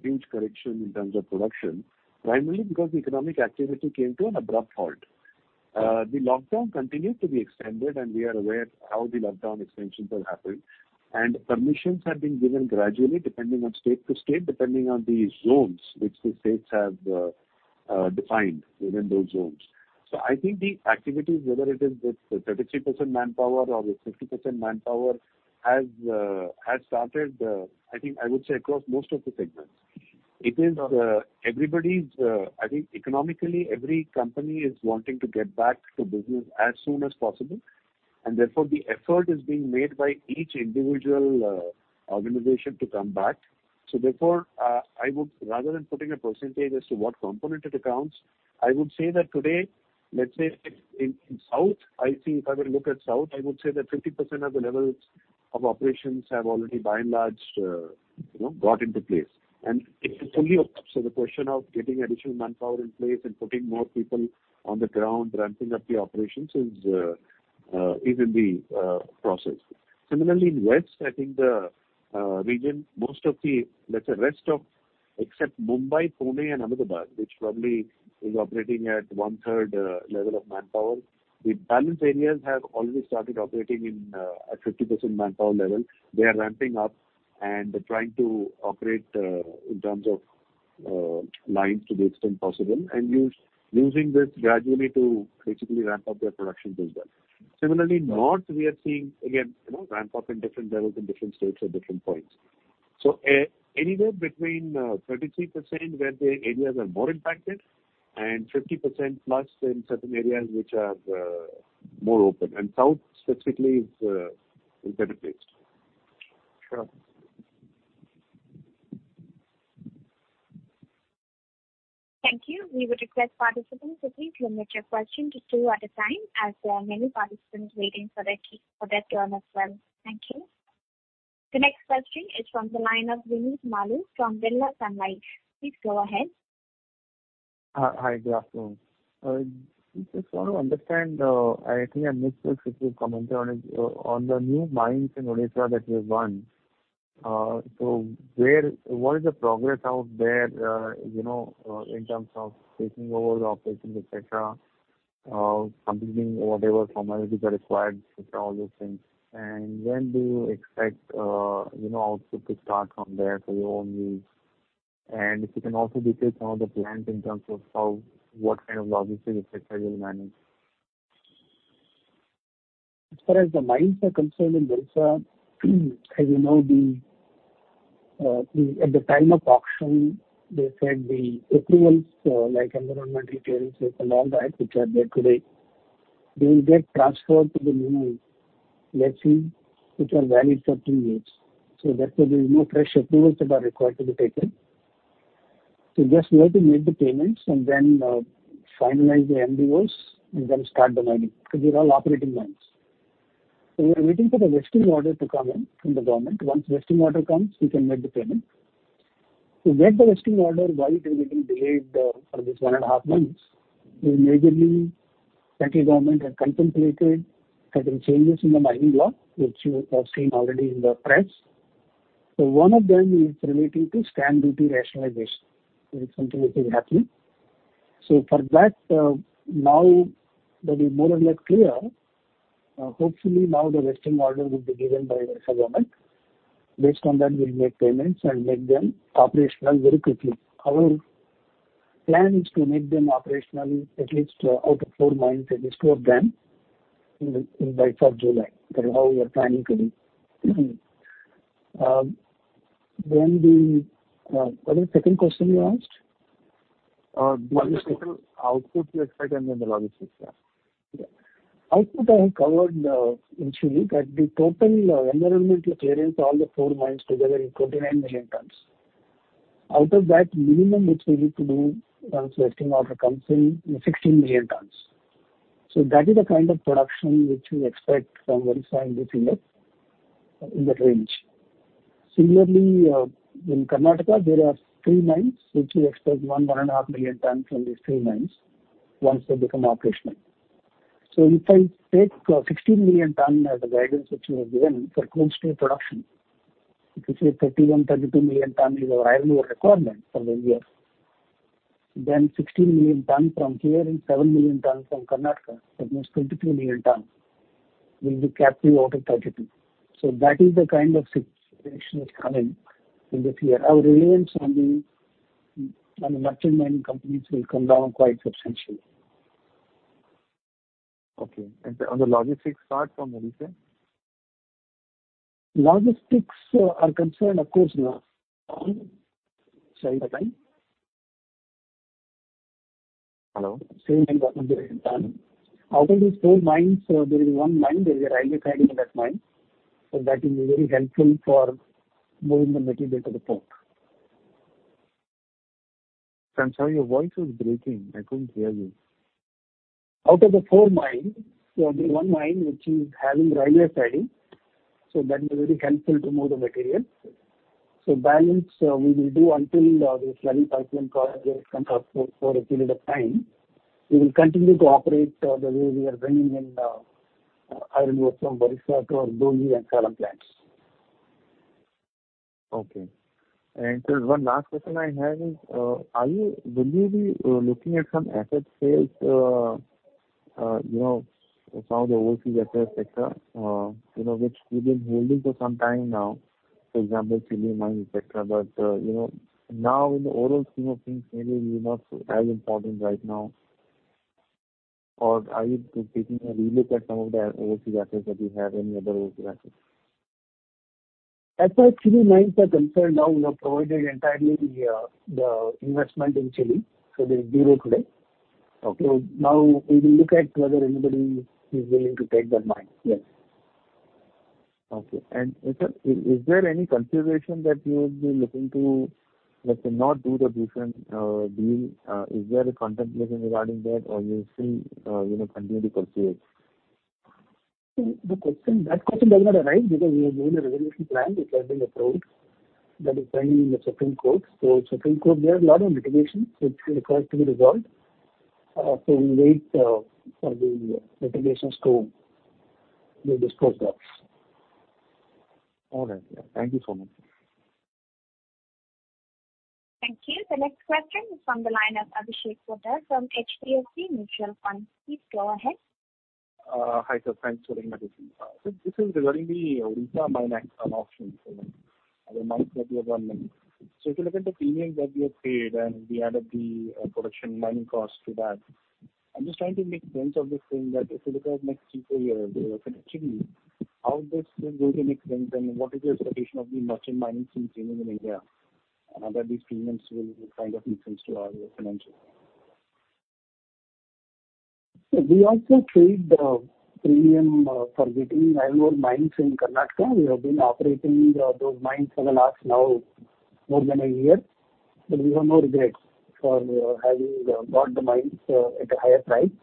huge correction in terms of production, primarily because the economic activity came to an abrupt halt. The lockdown continued to be extended, and we are aware how the lockdown extensions have happened. Permissions have been given gradually depending on state to state, depending on the zones which the states have defined within those zones. I think the activities, whether it is with 33% manpower or with 50% manpower, have started, I think I would say across most of the segments. It is everybody's, I think economically, every company is wanting to get back to business as soon as possible. Therefore, the effort is being made by each individual organization to come back. Therefore, I would, rather than putting a percentage as to what component it accounts, I would say that today, let's say in South, I see if I were to look at South, I would say that 50% of the levels of operations have already by and large got into place. It is fully up to the question of getting additional manpower in place and putting more people on the ground, ramping up the operations is in the process. Similarly, in West, I think the region, most of the, let's say, rest of except Mumbai, Pune and Ahmedabad, which probably is operating at one-third level of manpower, the balance areas have already started operating at 50% manpower level. They are ramping up and trying to operate in terms of lines to the extent possible and using this gradually to basically ramp up their productions as well. Similarly, North, we are seeing, again, ramp up in different levels in different states at different points. Anywhere between 33% where the areas are more impacted and 50%+ in certain areas which are more open. South specifically is better placed. Sure. Thank you. We would request participants to please limit your question to two at a time as there are many participants waiting for their turn as well. Thank you. The next question is from the line of Vinit Malu from Villa Sunlight. Please go ahead. Hi, good afternoon. Just want to understand, I think I missed this if you commented on it, on the new mines in Odisha that were done. What is the progress out there in terms of taking over the operations, etc., completing whatever formalities are required, etc., all those things? When do you expect output to start from there for your own use? If you can also detail some of the plans in terms of what kind of logistics, etc., you will manage? As far as the mines are concerned in Odisha, as you know, at the time of auction, they said the approvals, like environmental clearances and all that, which are there today, they will get transferred to the new lessees, which are valid for three years. Therefore, there are no fresh approvals that are required to be taken. Just wait and make the payments and then finalize the MDOs and then start the mining because they are all operating mines. We are waiting for the vesting order to come in from the government. Once the vesting order comes, we can make the payment. To get the vesting order, why they did not delay for these one and a half months is majorly the central government had contemplated certain changes in the mining law, which you have seen already in the press. One of them is relating to stamp duty rationalization. There is something which is happening. For that, now that we are more or less clear, hopefully now the vesting order will be given by the Odisha government. Based on that, we will make payments and make them operational very quickly. Our plan is to make them operational, at least out of four mines, at least two of them, by 4th July. That is how we are planning to do. The other second question you asked? Logistical output you expect and then the logistics, yeah. Output I have covered, if you look at the total environmental clearance, all the four mines together is 29 million tons. Out of that, minimum which we need to do once vesting order comes in is 16 million tons. That is the kind of production which we expect from Odisha in this year, in that range. Similarly, in Karnataka, there are three mines which we expect one and a half million tons from these three mines once they become operational. If I take 16 million ton as a guidance which you have given for cold-store production, if you say 31-32 million ton is our iron ore requirement for the year, then 16 million tons from here and 7 million tons from Karnataka, that means 22 million tons, will be capped out of 32. That is the kind of situation that's coming in this year. Our reliance on the merchant mining companies will come down quite substantially. Okay. On the logistics, start from Odisha? Logistics are concerned, of course, now. Sorry, the time? Hello? Same in the other area. Out of these four mines, there is one mine, there is a railway siding in that mine. That will be very helpful for moving the material to the port. Sam, sorry, your voice was breaking. I couldn't hear you. Out of the four mines, there is one mine which is having railway siding. That will be very helpful to move the material. The balance we will do until this railway pipeline project comes up for a period of time. We will continue to operate the way we are bringing in iron ore from Barisha to our Boji and Salem plants. Okay. Sir, one last question I have is, will you be looking at some asset sales from the OCSS, etc., which we've been holding for some time now, for example, Chile mines, etc.? In the overall scheme of things, maybe it's not as important right now. Are you taking a relook at some of the OCSS that you have? Any other OCSS? As far as Chile mines are concerned, now we have provided entirely the investment in Chile. There is zero today. Now we will look at whether anybody is willing to take that mine. Yes. Okay. And sir, is there any consideration that you would be looking to, let's say, not do the different deal? Is there a contemplation regarding that, or you still continue to pursue it? The question, that question does not arise because we have made a resolution plan which has been approved that is pending in the Supreme Court. Supreme Court, there are a lot of litigations which require to be resolved. We wait for the litigations to be disposed of. All right. Thank you so much. Thank you. The next question is from the line of Abhishek Bhattar from HDFC Mutual Fund. Please go ahead. Hi, sir. Thanks for inviting me. Sir, this is regarding the Odisha mine actions. I remind you of one mine. If you look at the premiums that we have paid and we added the production mining cost to that, I'm just trying to make sense of this thing that if you look at next three, four years, we are connecting how this is going to make sense and what is the expectation of the merchant mining team training in India that these premiums will kind of make sense to our financials. We also paid the premium for getting iron ore mines in Karnataka. We have been operating those mines for the last now more than a year. We have no regrets for having bought the mines at a higher price.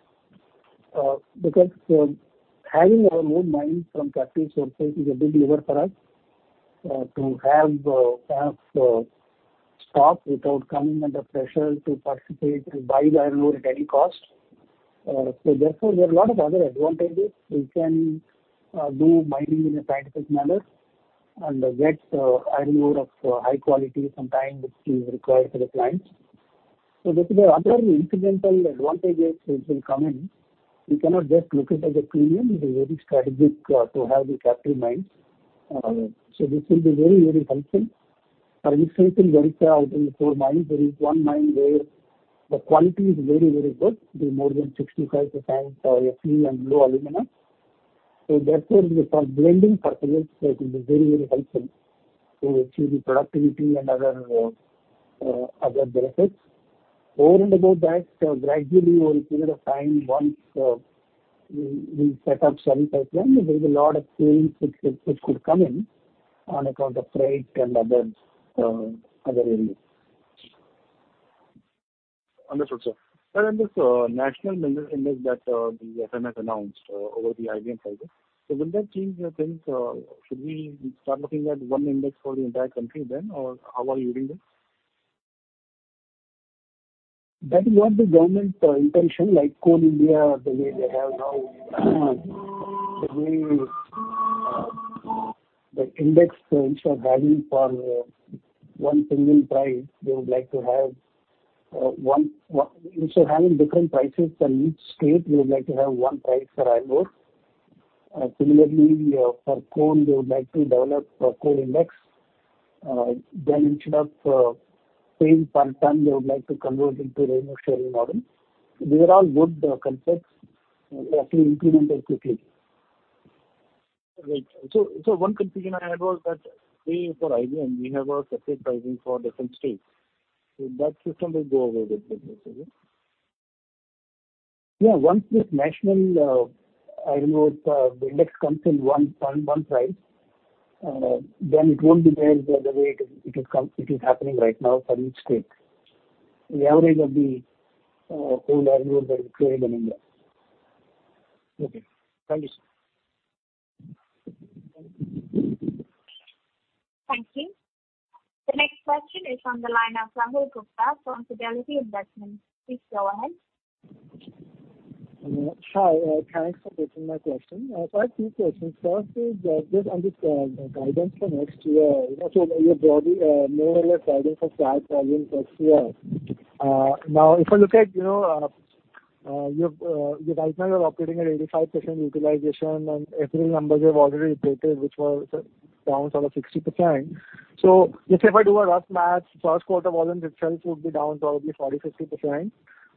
Because having our own mines from factory sources is a big lever for us to have kind of stock without coming under pressure to participate and buy the iron ore at any cost. Therefore, there are a lot of other advantages. We can do mining in a scientific manner and get iron ore of high quality sometimes which is required for the clients. There are other incidental advantages which will come in. We cannot just look at it as a premium. It is very strategic to have the captive mines. This will be very, very helpful. For instance, in Odisha, out of the four mines, there is one mine where the quality is very, very good, more than 65% ore and low alumina. Therefore, with some blending purposes, it will be very, very helpful to achieve the productivity and other benefits. Over and above that, gradually over a period of time, once we set up some pipeline, there will be a lot of claims which could come in on account of freight and other areas. Wonderful, sir. This national index that the FMS announced over the IBM cycle, will that change things? Should we start looking at one index for the entire country then, or how are you viewing this? That is what the government intention is, like Coal India, the way they have now, the way the index instead of having one single price, they would like to have instead of having different prices for each state, they would like to have one price for iron ore. Similarly, for coal, they would like to develop a coal index. Instead of paying per ton, they would like to convert into a rainwater sharing model. These are all good concepts, actually, if implemented quickly. Right. One confusion I had was that for IBM, we have a separate pricing for different states. That system will go away with this, is it? Yeah. Once this national iron ore index comes in one price, then it will not be there the way it is happening right now for each state. The average of the whole iron ore that we create in India. Okay. Thank you, sir. Thank you. The next question is from the line of Rahul Mehrotra, from Fidelity Investments. Please go ahead. Hi. Thanks for taking my question. I have two questions. First is just on this guidance for next year, so your broadly more or less guidance for SAG projects next year. Now, if I look at you right now, you are operating at 85% utilization, and SRE numbers have already reported which were down sort of 60%. Let us say if I do a rough math, first quarter volumes itself would be down probably 40%-50%.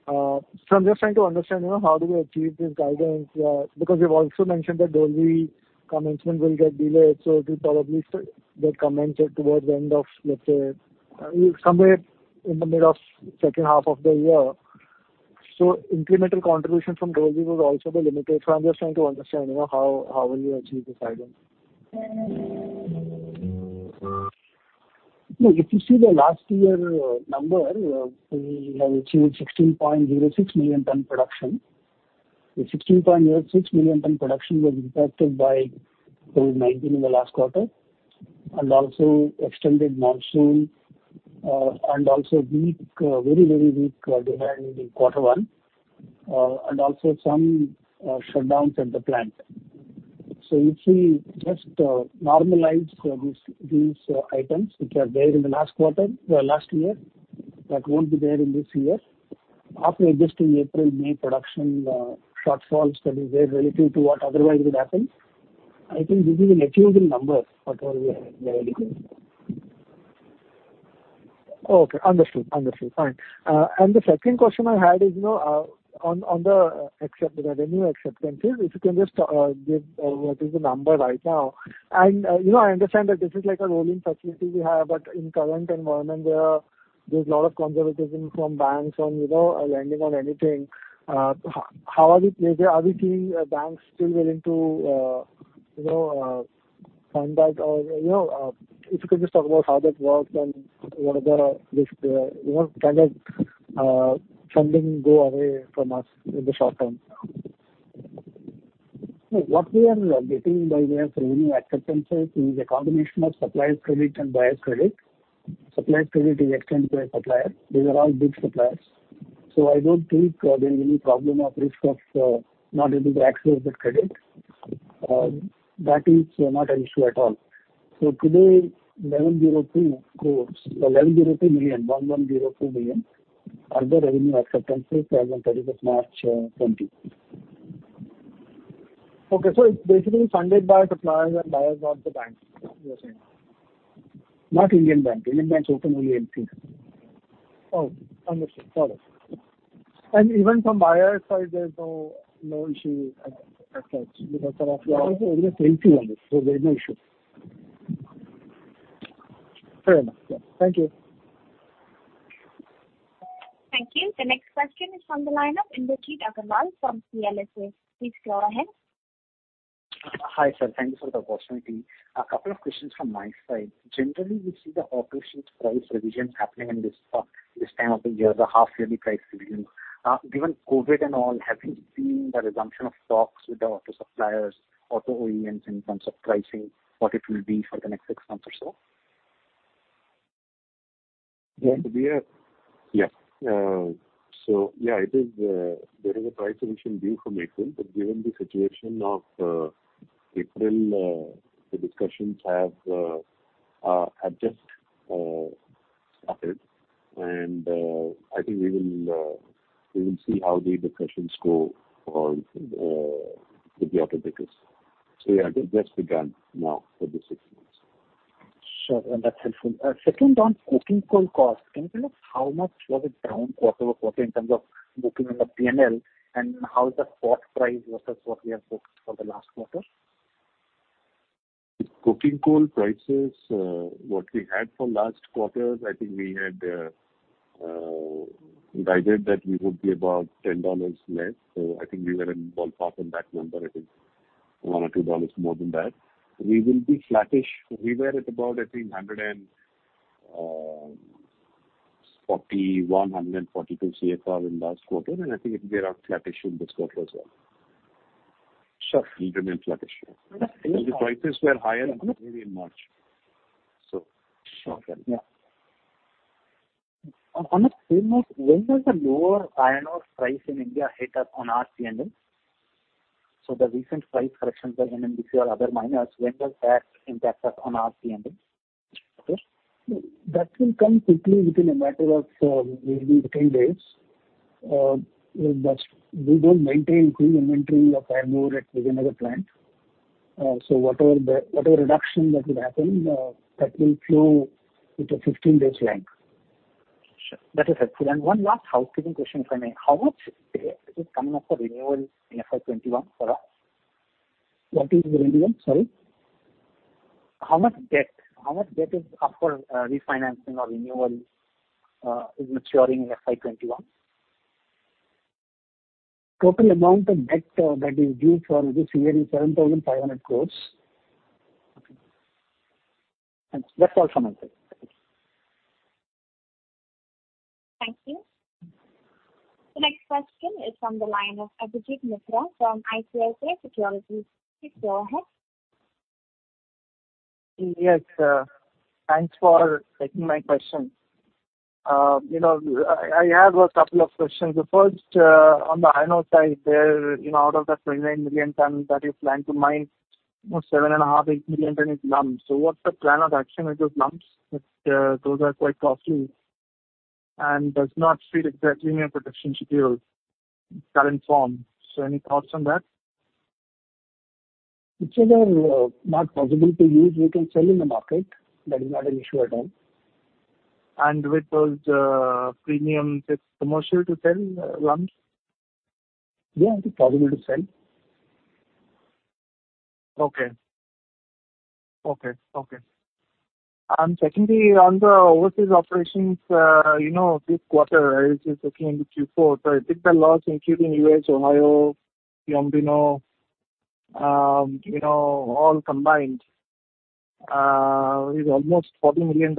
I'm just trying to understand how do we achieve this guidance because you've also mentioned that Dolvi commencement will get delayed. It will probably get commenced towards the end of, let's say, somewhere in the middle of the second half of the year. Incremental contribution from Dolvi was also limited. I'm just trying to understand how will you achieve this guidance? Look, if you see the last year number, we have achieved 16.06 million ton production. The 16.06 million ton production was impacted by COVID-19 in the last quarter and also extended monsoon and also very, very weak demand in quarter one and also some shutdowns at the plant. If we just normalize these items which are there in the last quarter, last year, that won't be there in this year. After adjusting April, May production shortfalls that is there relative to what otherwise would happen, I think this is an achievable number for whatever we have already got. Okay. Understood. Understood. Fine. The second question I had is on the revenue acceptances, if you can just give what is the number right now. I understand that this is like a rolling facility we have, but in current environment, there's a lot of conservatism from banks on lending on anything. How are we placed there? Are we seeing banks still willing to fund that? If you could just talk about how that works and what are the kind of funding go away from us in the short term. What we are getting by way of revenue acceptances is a combination of suppliers' credit and buyers' credit. Suppliers' credit is extended to a supplier. These are all big suppliers. I don't think there is any problem of risk of not able to access that credit. That is not an issue at all. Today, 1,102 crore, 1,102 million, 1,102 million are the revenue acceptances as of 31 March 2020. Okay. It is basically funded by suppliers and buyers of the banks, you're saying? Not Indian Bank. Indian Bank's open only LCs. Oh, understood. Got it. Even from buyers' side, there's no issue as such because there are suppliers who are always LC owners. There's no issue. Fair enough. Thank you. Thank you. The next question is from the line of Inderjeet Aggarwal from PLSA. Please go ahead. Hi, sir. Thank you for the opportunity. A couple of questions from my side. Generally, we see the auto sheet price revision happening in this time of the year, the half-yearly price revision. Given COVID and all, having seen the resumption of stocks with the auto suppliers, auto OEMs in terms of pricing, what it will be for the next six months or so? Yeah. Yes. So yeah, there is a price revision due for April. Given the situation of April, the discussions have just started. I think we will see how the discussions go with the auto bikers. Yeah, they've just begun now for the six months. Sure. That's helpful. Second on cooking coal cost. Can you tell us how much was it down quarter over quarter in terms of booking on the P&L, and how is the cost price versus what we have booked for the last quarter? Cooking coal prices, what we had for last quarter, I think we had guided that we would be about $10 less. I think we were in ballpark on that number, I think. One or two dollars more than that. We will be flattish. We were at about, I think, $141, $142 CFR in last quarter. I think it will be around flattish in this quarter as well. Sure. Will remain flattish. The prices were higher in May and March. Yeah. On a similar note, when does the lower iron ore price in India hit us on our P&L? The recent price corrections by NMDC or other miners, when does that impact us on our P&L? That will come quickly within a matter of maybe 10 days. We do not maintain full inventory of iron ore at any other plant. Whatever reduction that will happen, that will flow within 15 days' length. Sure. That is helpful. One last housekeeping question if I may. How much debt is coming up for renewal in FY 2021 for us? What is the renewal? Sorry. How much debt is up for refinancing or renewal is maturing in FY 2021? Total amount of debt that is due for this year is 7,500 crore. That's all from my side. Thank you. The next question is from the line of Abhijit Mitra from ICICI Securities. Please go ahead. Yes. Thanks for taking my question. I have a couple of questions. The first, on the iron ore side, out of that 29 million tons that you plan to mine, 7.5 million tons is lump. So what's the plan of action with those lumps? Those are quite costly and do not fit exactly in your production schedule in current form. Any thoughts on that? Whichever is not possible to use, we can sell in the market. That is not an issue at all. With those premiums, it's commercial to sell lumps? Yeah. It is possible to sell. Okay. Okay. Okay. Secondly, on the overseas operations, this quarter, as you're looking into Q4, I think the loss, including U.S., Ohio, Piombino, all combined, is almost $40 million.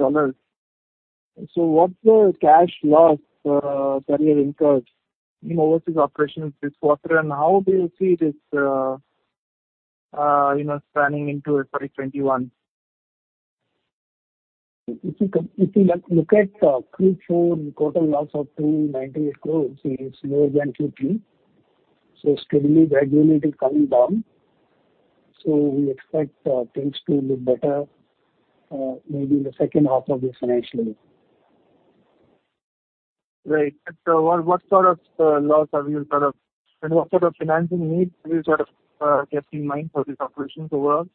What's the cash loss that you have incurred in overseas operations this quarter, and how do you see this spanning into FY 2021? If you look at Q4, the total loss of 2.98 billion is more than Q2. Steadily, gradually, it is coming down. We expect things to look better maybe in the second half of this financial year. Right. What sort of loss have you sort of, and what sort of financing needs have you sort of kept in mind for these operations overall?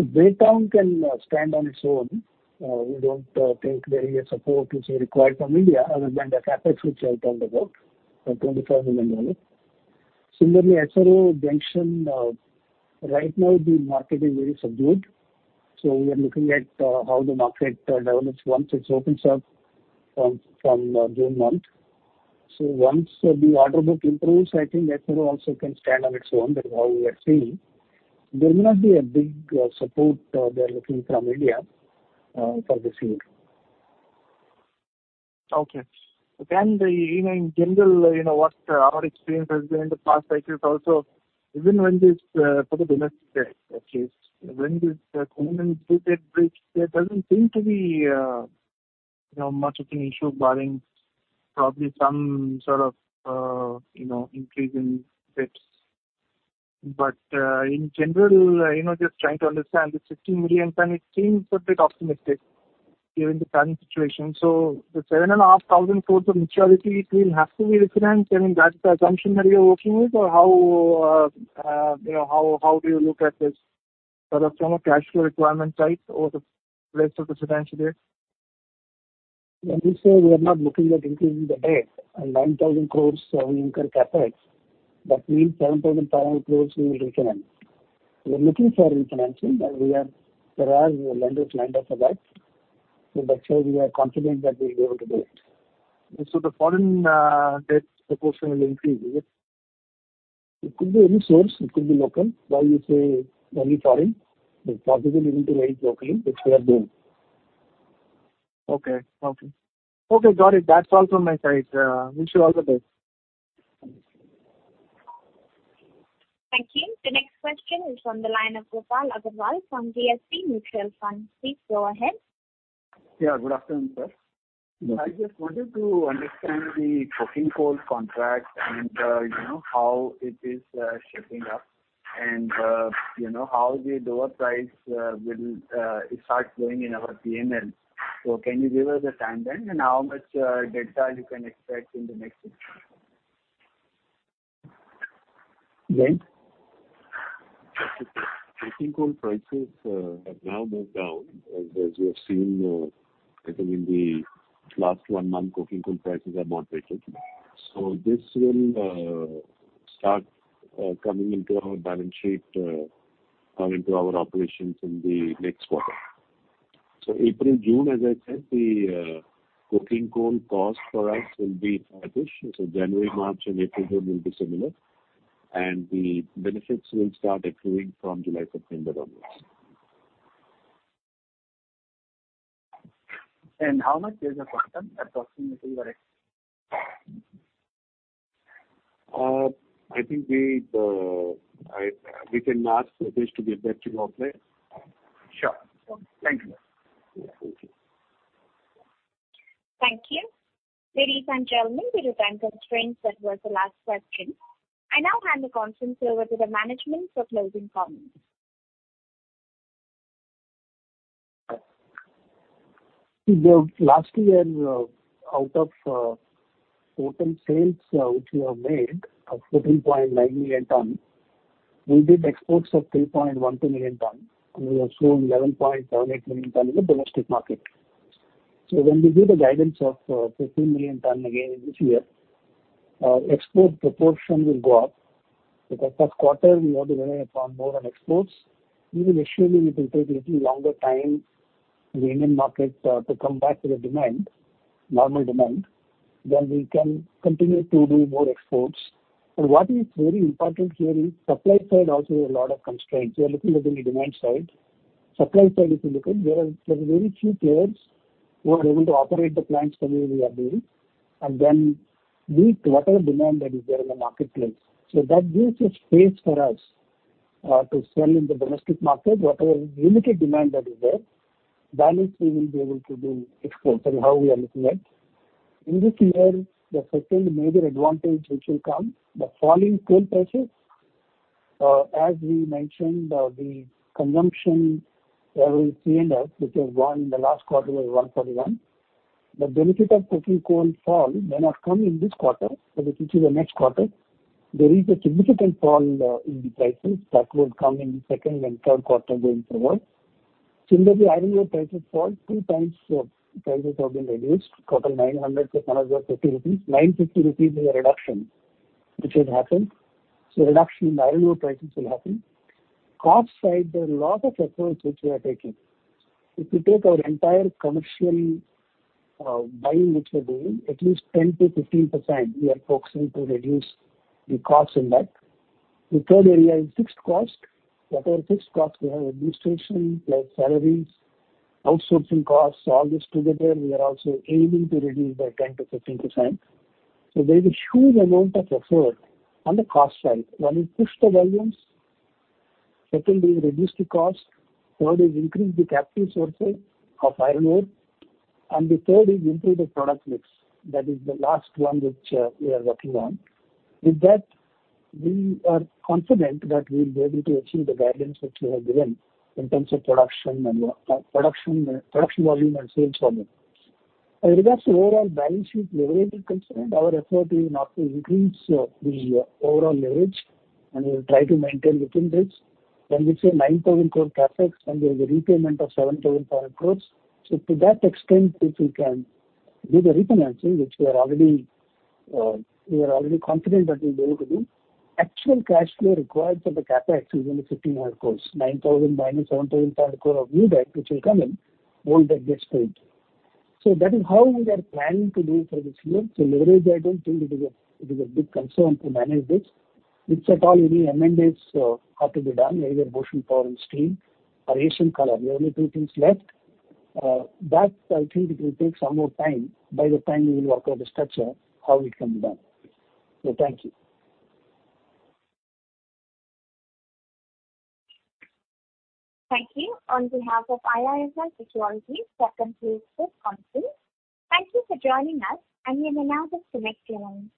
Breakdown can stand on its own. We don't think there is a support required from India other than the CapEx, which I told about, $25 million. Similarly, SRO gentian, right now, the market is very subdued. We are looking at how the market develops once it opens up from June month. Once the order book improves, I think SRO also can stand on its own. That is how we are seeing. There may not be a big support they are looking from India for this year. Okay. In general, what our experience has been in the past cycle is also, even when this for the domestic debt, at least, when this government due debt breach, there doesn't seem to be much of an issue, barring probably some sort of increase in debts. In general, just trying to understand, the 16 million ton, it seems a bit optimistic given the current situation. The 7,500 crores of maturity, it will have to be refinanced. I mean, that's the assumption that you're working with, or how do you look at this sort of from a cash flow requirement side or the rest of the financial year? When we say we are not looking at increasing the debt, and 9,000 crores we incur CapEx, that means 7,500 crores we will refinance. We are looking for refinancing, and there are lenders lined up for that. That's why we are confident that we'll be able to do it. The foreign debt proportion will increase, is it? It could be any source. It could be local. Why you say only foreign? It's possible even to raise locally, which we are doing. Okay. Okay. Okay. Got it. That's all from my side. Wish you all the best. Thank you. The next question is from the line of Gopal Agrawal from DSP Mutual Fund. Please go ahead. Yeah. Good afternoon, sir. I just wanted to understand the cooking coal contract and how it is shaping up and how the lower price will start going in our P&L. Can you give us a timeline and how much delta you can expect in the next six months? Cooking coal prices have now moved down, as you have seen. I think in the last one month, cooking coal prices have moderated. This will start coming into our balance sheet or into our operations in the next quarter. April-June, as I said, the cooking coal cost for us will be flattish. January-March and April-June will be similar. The benefits will start accruing from July-September onwards. How much is the quarter approximately? I think we can ask for this to get back to your place. Sure. Thank you. Thank you. Thank you. Ladies and gentlemen, due to time constraints, that was the last question. I now hand the conference over to the management for closing comments. Last year, out of total sales which we have made, of 14.9 million ton, we did exports of 3.12 million ton. We have sold 11.78 million ton in the domestic market. When we do the guidance of 15 million ton again this year, export proportion will go up. Because first quarter, we had to rely upon more on exports. Even assuming it will take a little longer time, the Indian market to come back to the demand, normal demand, we can continue to do more exports. What is very important here is supply side also has a lot of constraints. We are looking at the demand side. Supply side, if you look at it, there are very few players who are able to operate the plants the way we are doing. Then meet whatever demand that is there in the marketplace. That gives us space for us to sell in the domestic market, whatever limited demand that is there. Balance, we will be able to do exports and how we are looking at. In this year, the second major advantage which will come, the falling coal prices, as we mentioned, the consumption level C&F, which has gone in the last quarter, was 141. The benefit of coking coal fall may not come in this quarter, but it will be the next quarter. There is a significant fall in the prices that will come in the second and third quarter going forward. Similarly, iron ore prices fall. Two times prices have been reduced. Total 900 crore is another 50 crore rupees. 950 crore rupees is a reduction, which has happened. Reduction in iron ore prices will happen. Cost side, there are lots of efforts which we are taking. If you take our entire commercial buying which we are doing, at least 10%-15%, we are focusing to reduce the cost in that. The third area is fixed cost. Whatever fixed cost we have, administration plus salaries, outsourcing costs, all this together, we are also aiming to reduce by 10%-15%. There is a huge amount of effort on the cost side. One is push the volumes. Second is reduce the cost. Third is increase the capital sources of iron ore. The third is improve the product mix. That is the last one which we are working on. With that, we are confident that we will be able to achieve the guidance which we have given in terms of production volume and sales volume. With regards to overall balance sheet leverage concerned, our effort is not to increase the overall leverage, and we will try to maintain within this. When we say 9,000 crore CapEx, then there is a repayment of 7,500 crore. To that extent, if we can do the refinancing, which we are already confident that we will be able to do, actual cash flow required for the CapEx is only 1,500 crore. 9,000 crore-7,500 crore of new debt, which will come in, old debt gets paid. That is how we are planning to do for this year. Leverage, I do not think it is a big concern to manage this. If at all, any amendments have to be done, either motion power and steam or Asian Colour Coated Ispat, there are only two things left. I think it will take some more time. By the time we will work out the structure, how it can be done. Thank you. Thank you. On behalf of IIFL Securities, that concludes this conference. Thank you for joining us, and we will now disconnect your lines.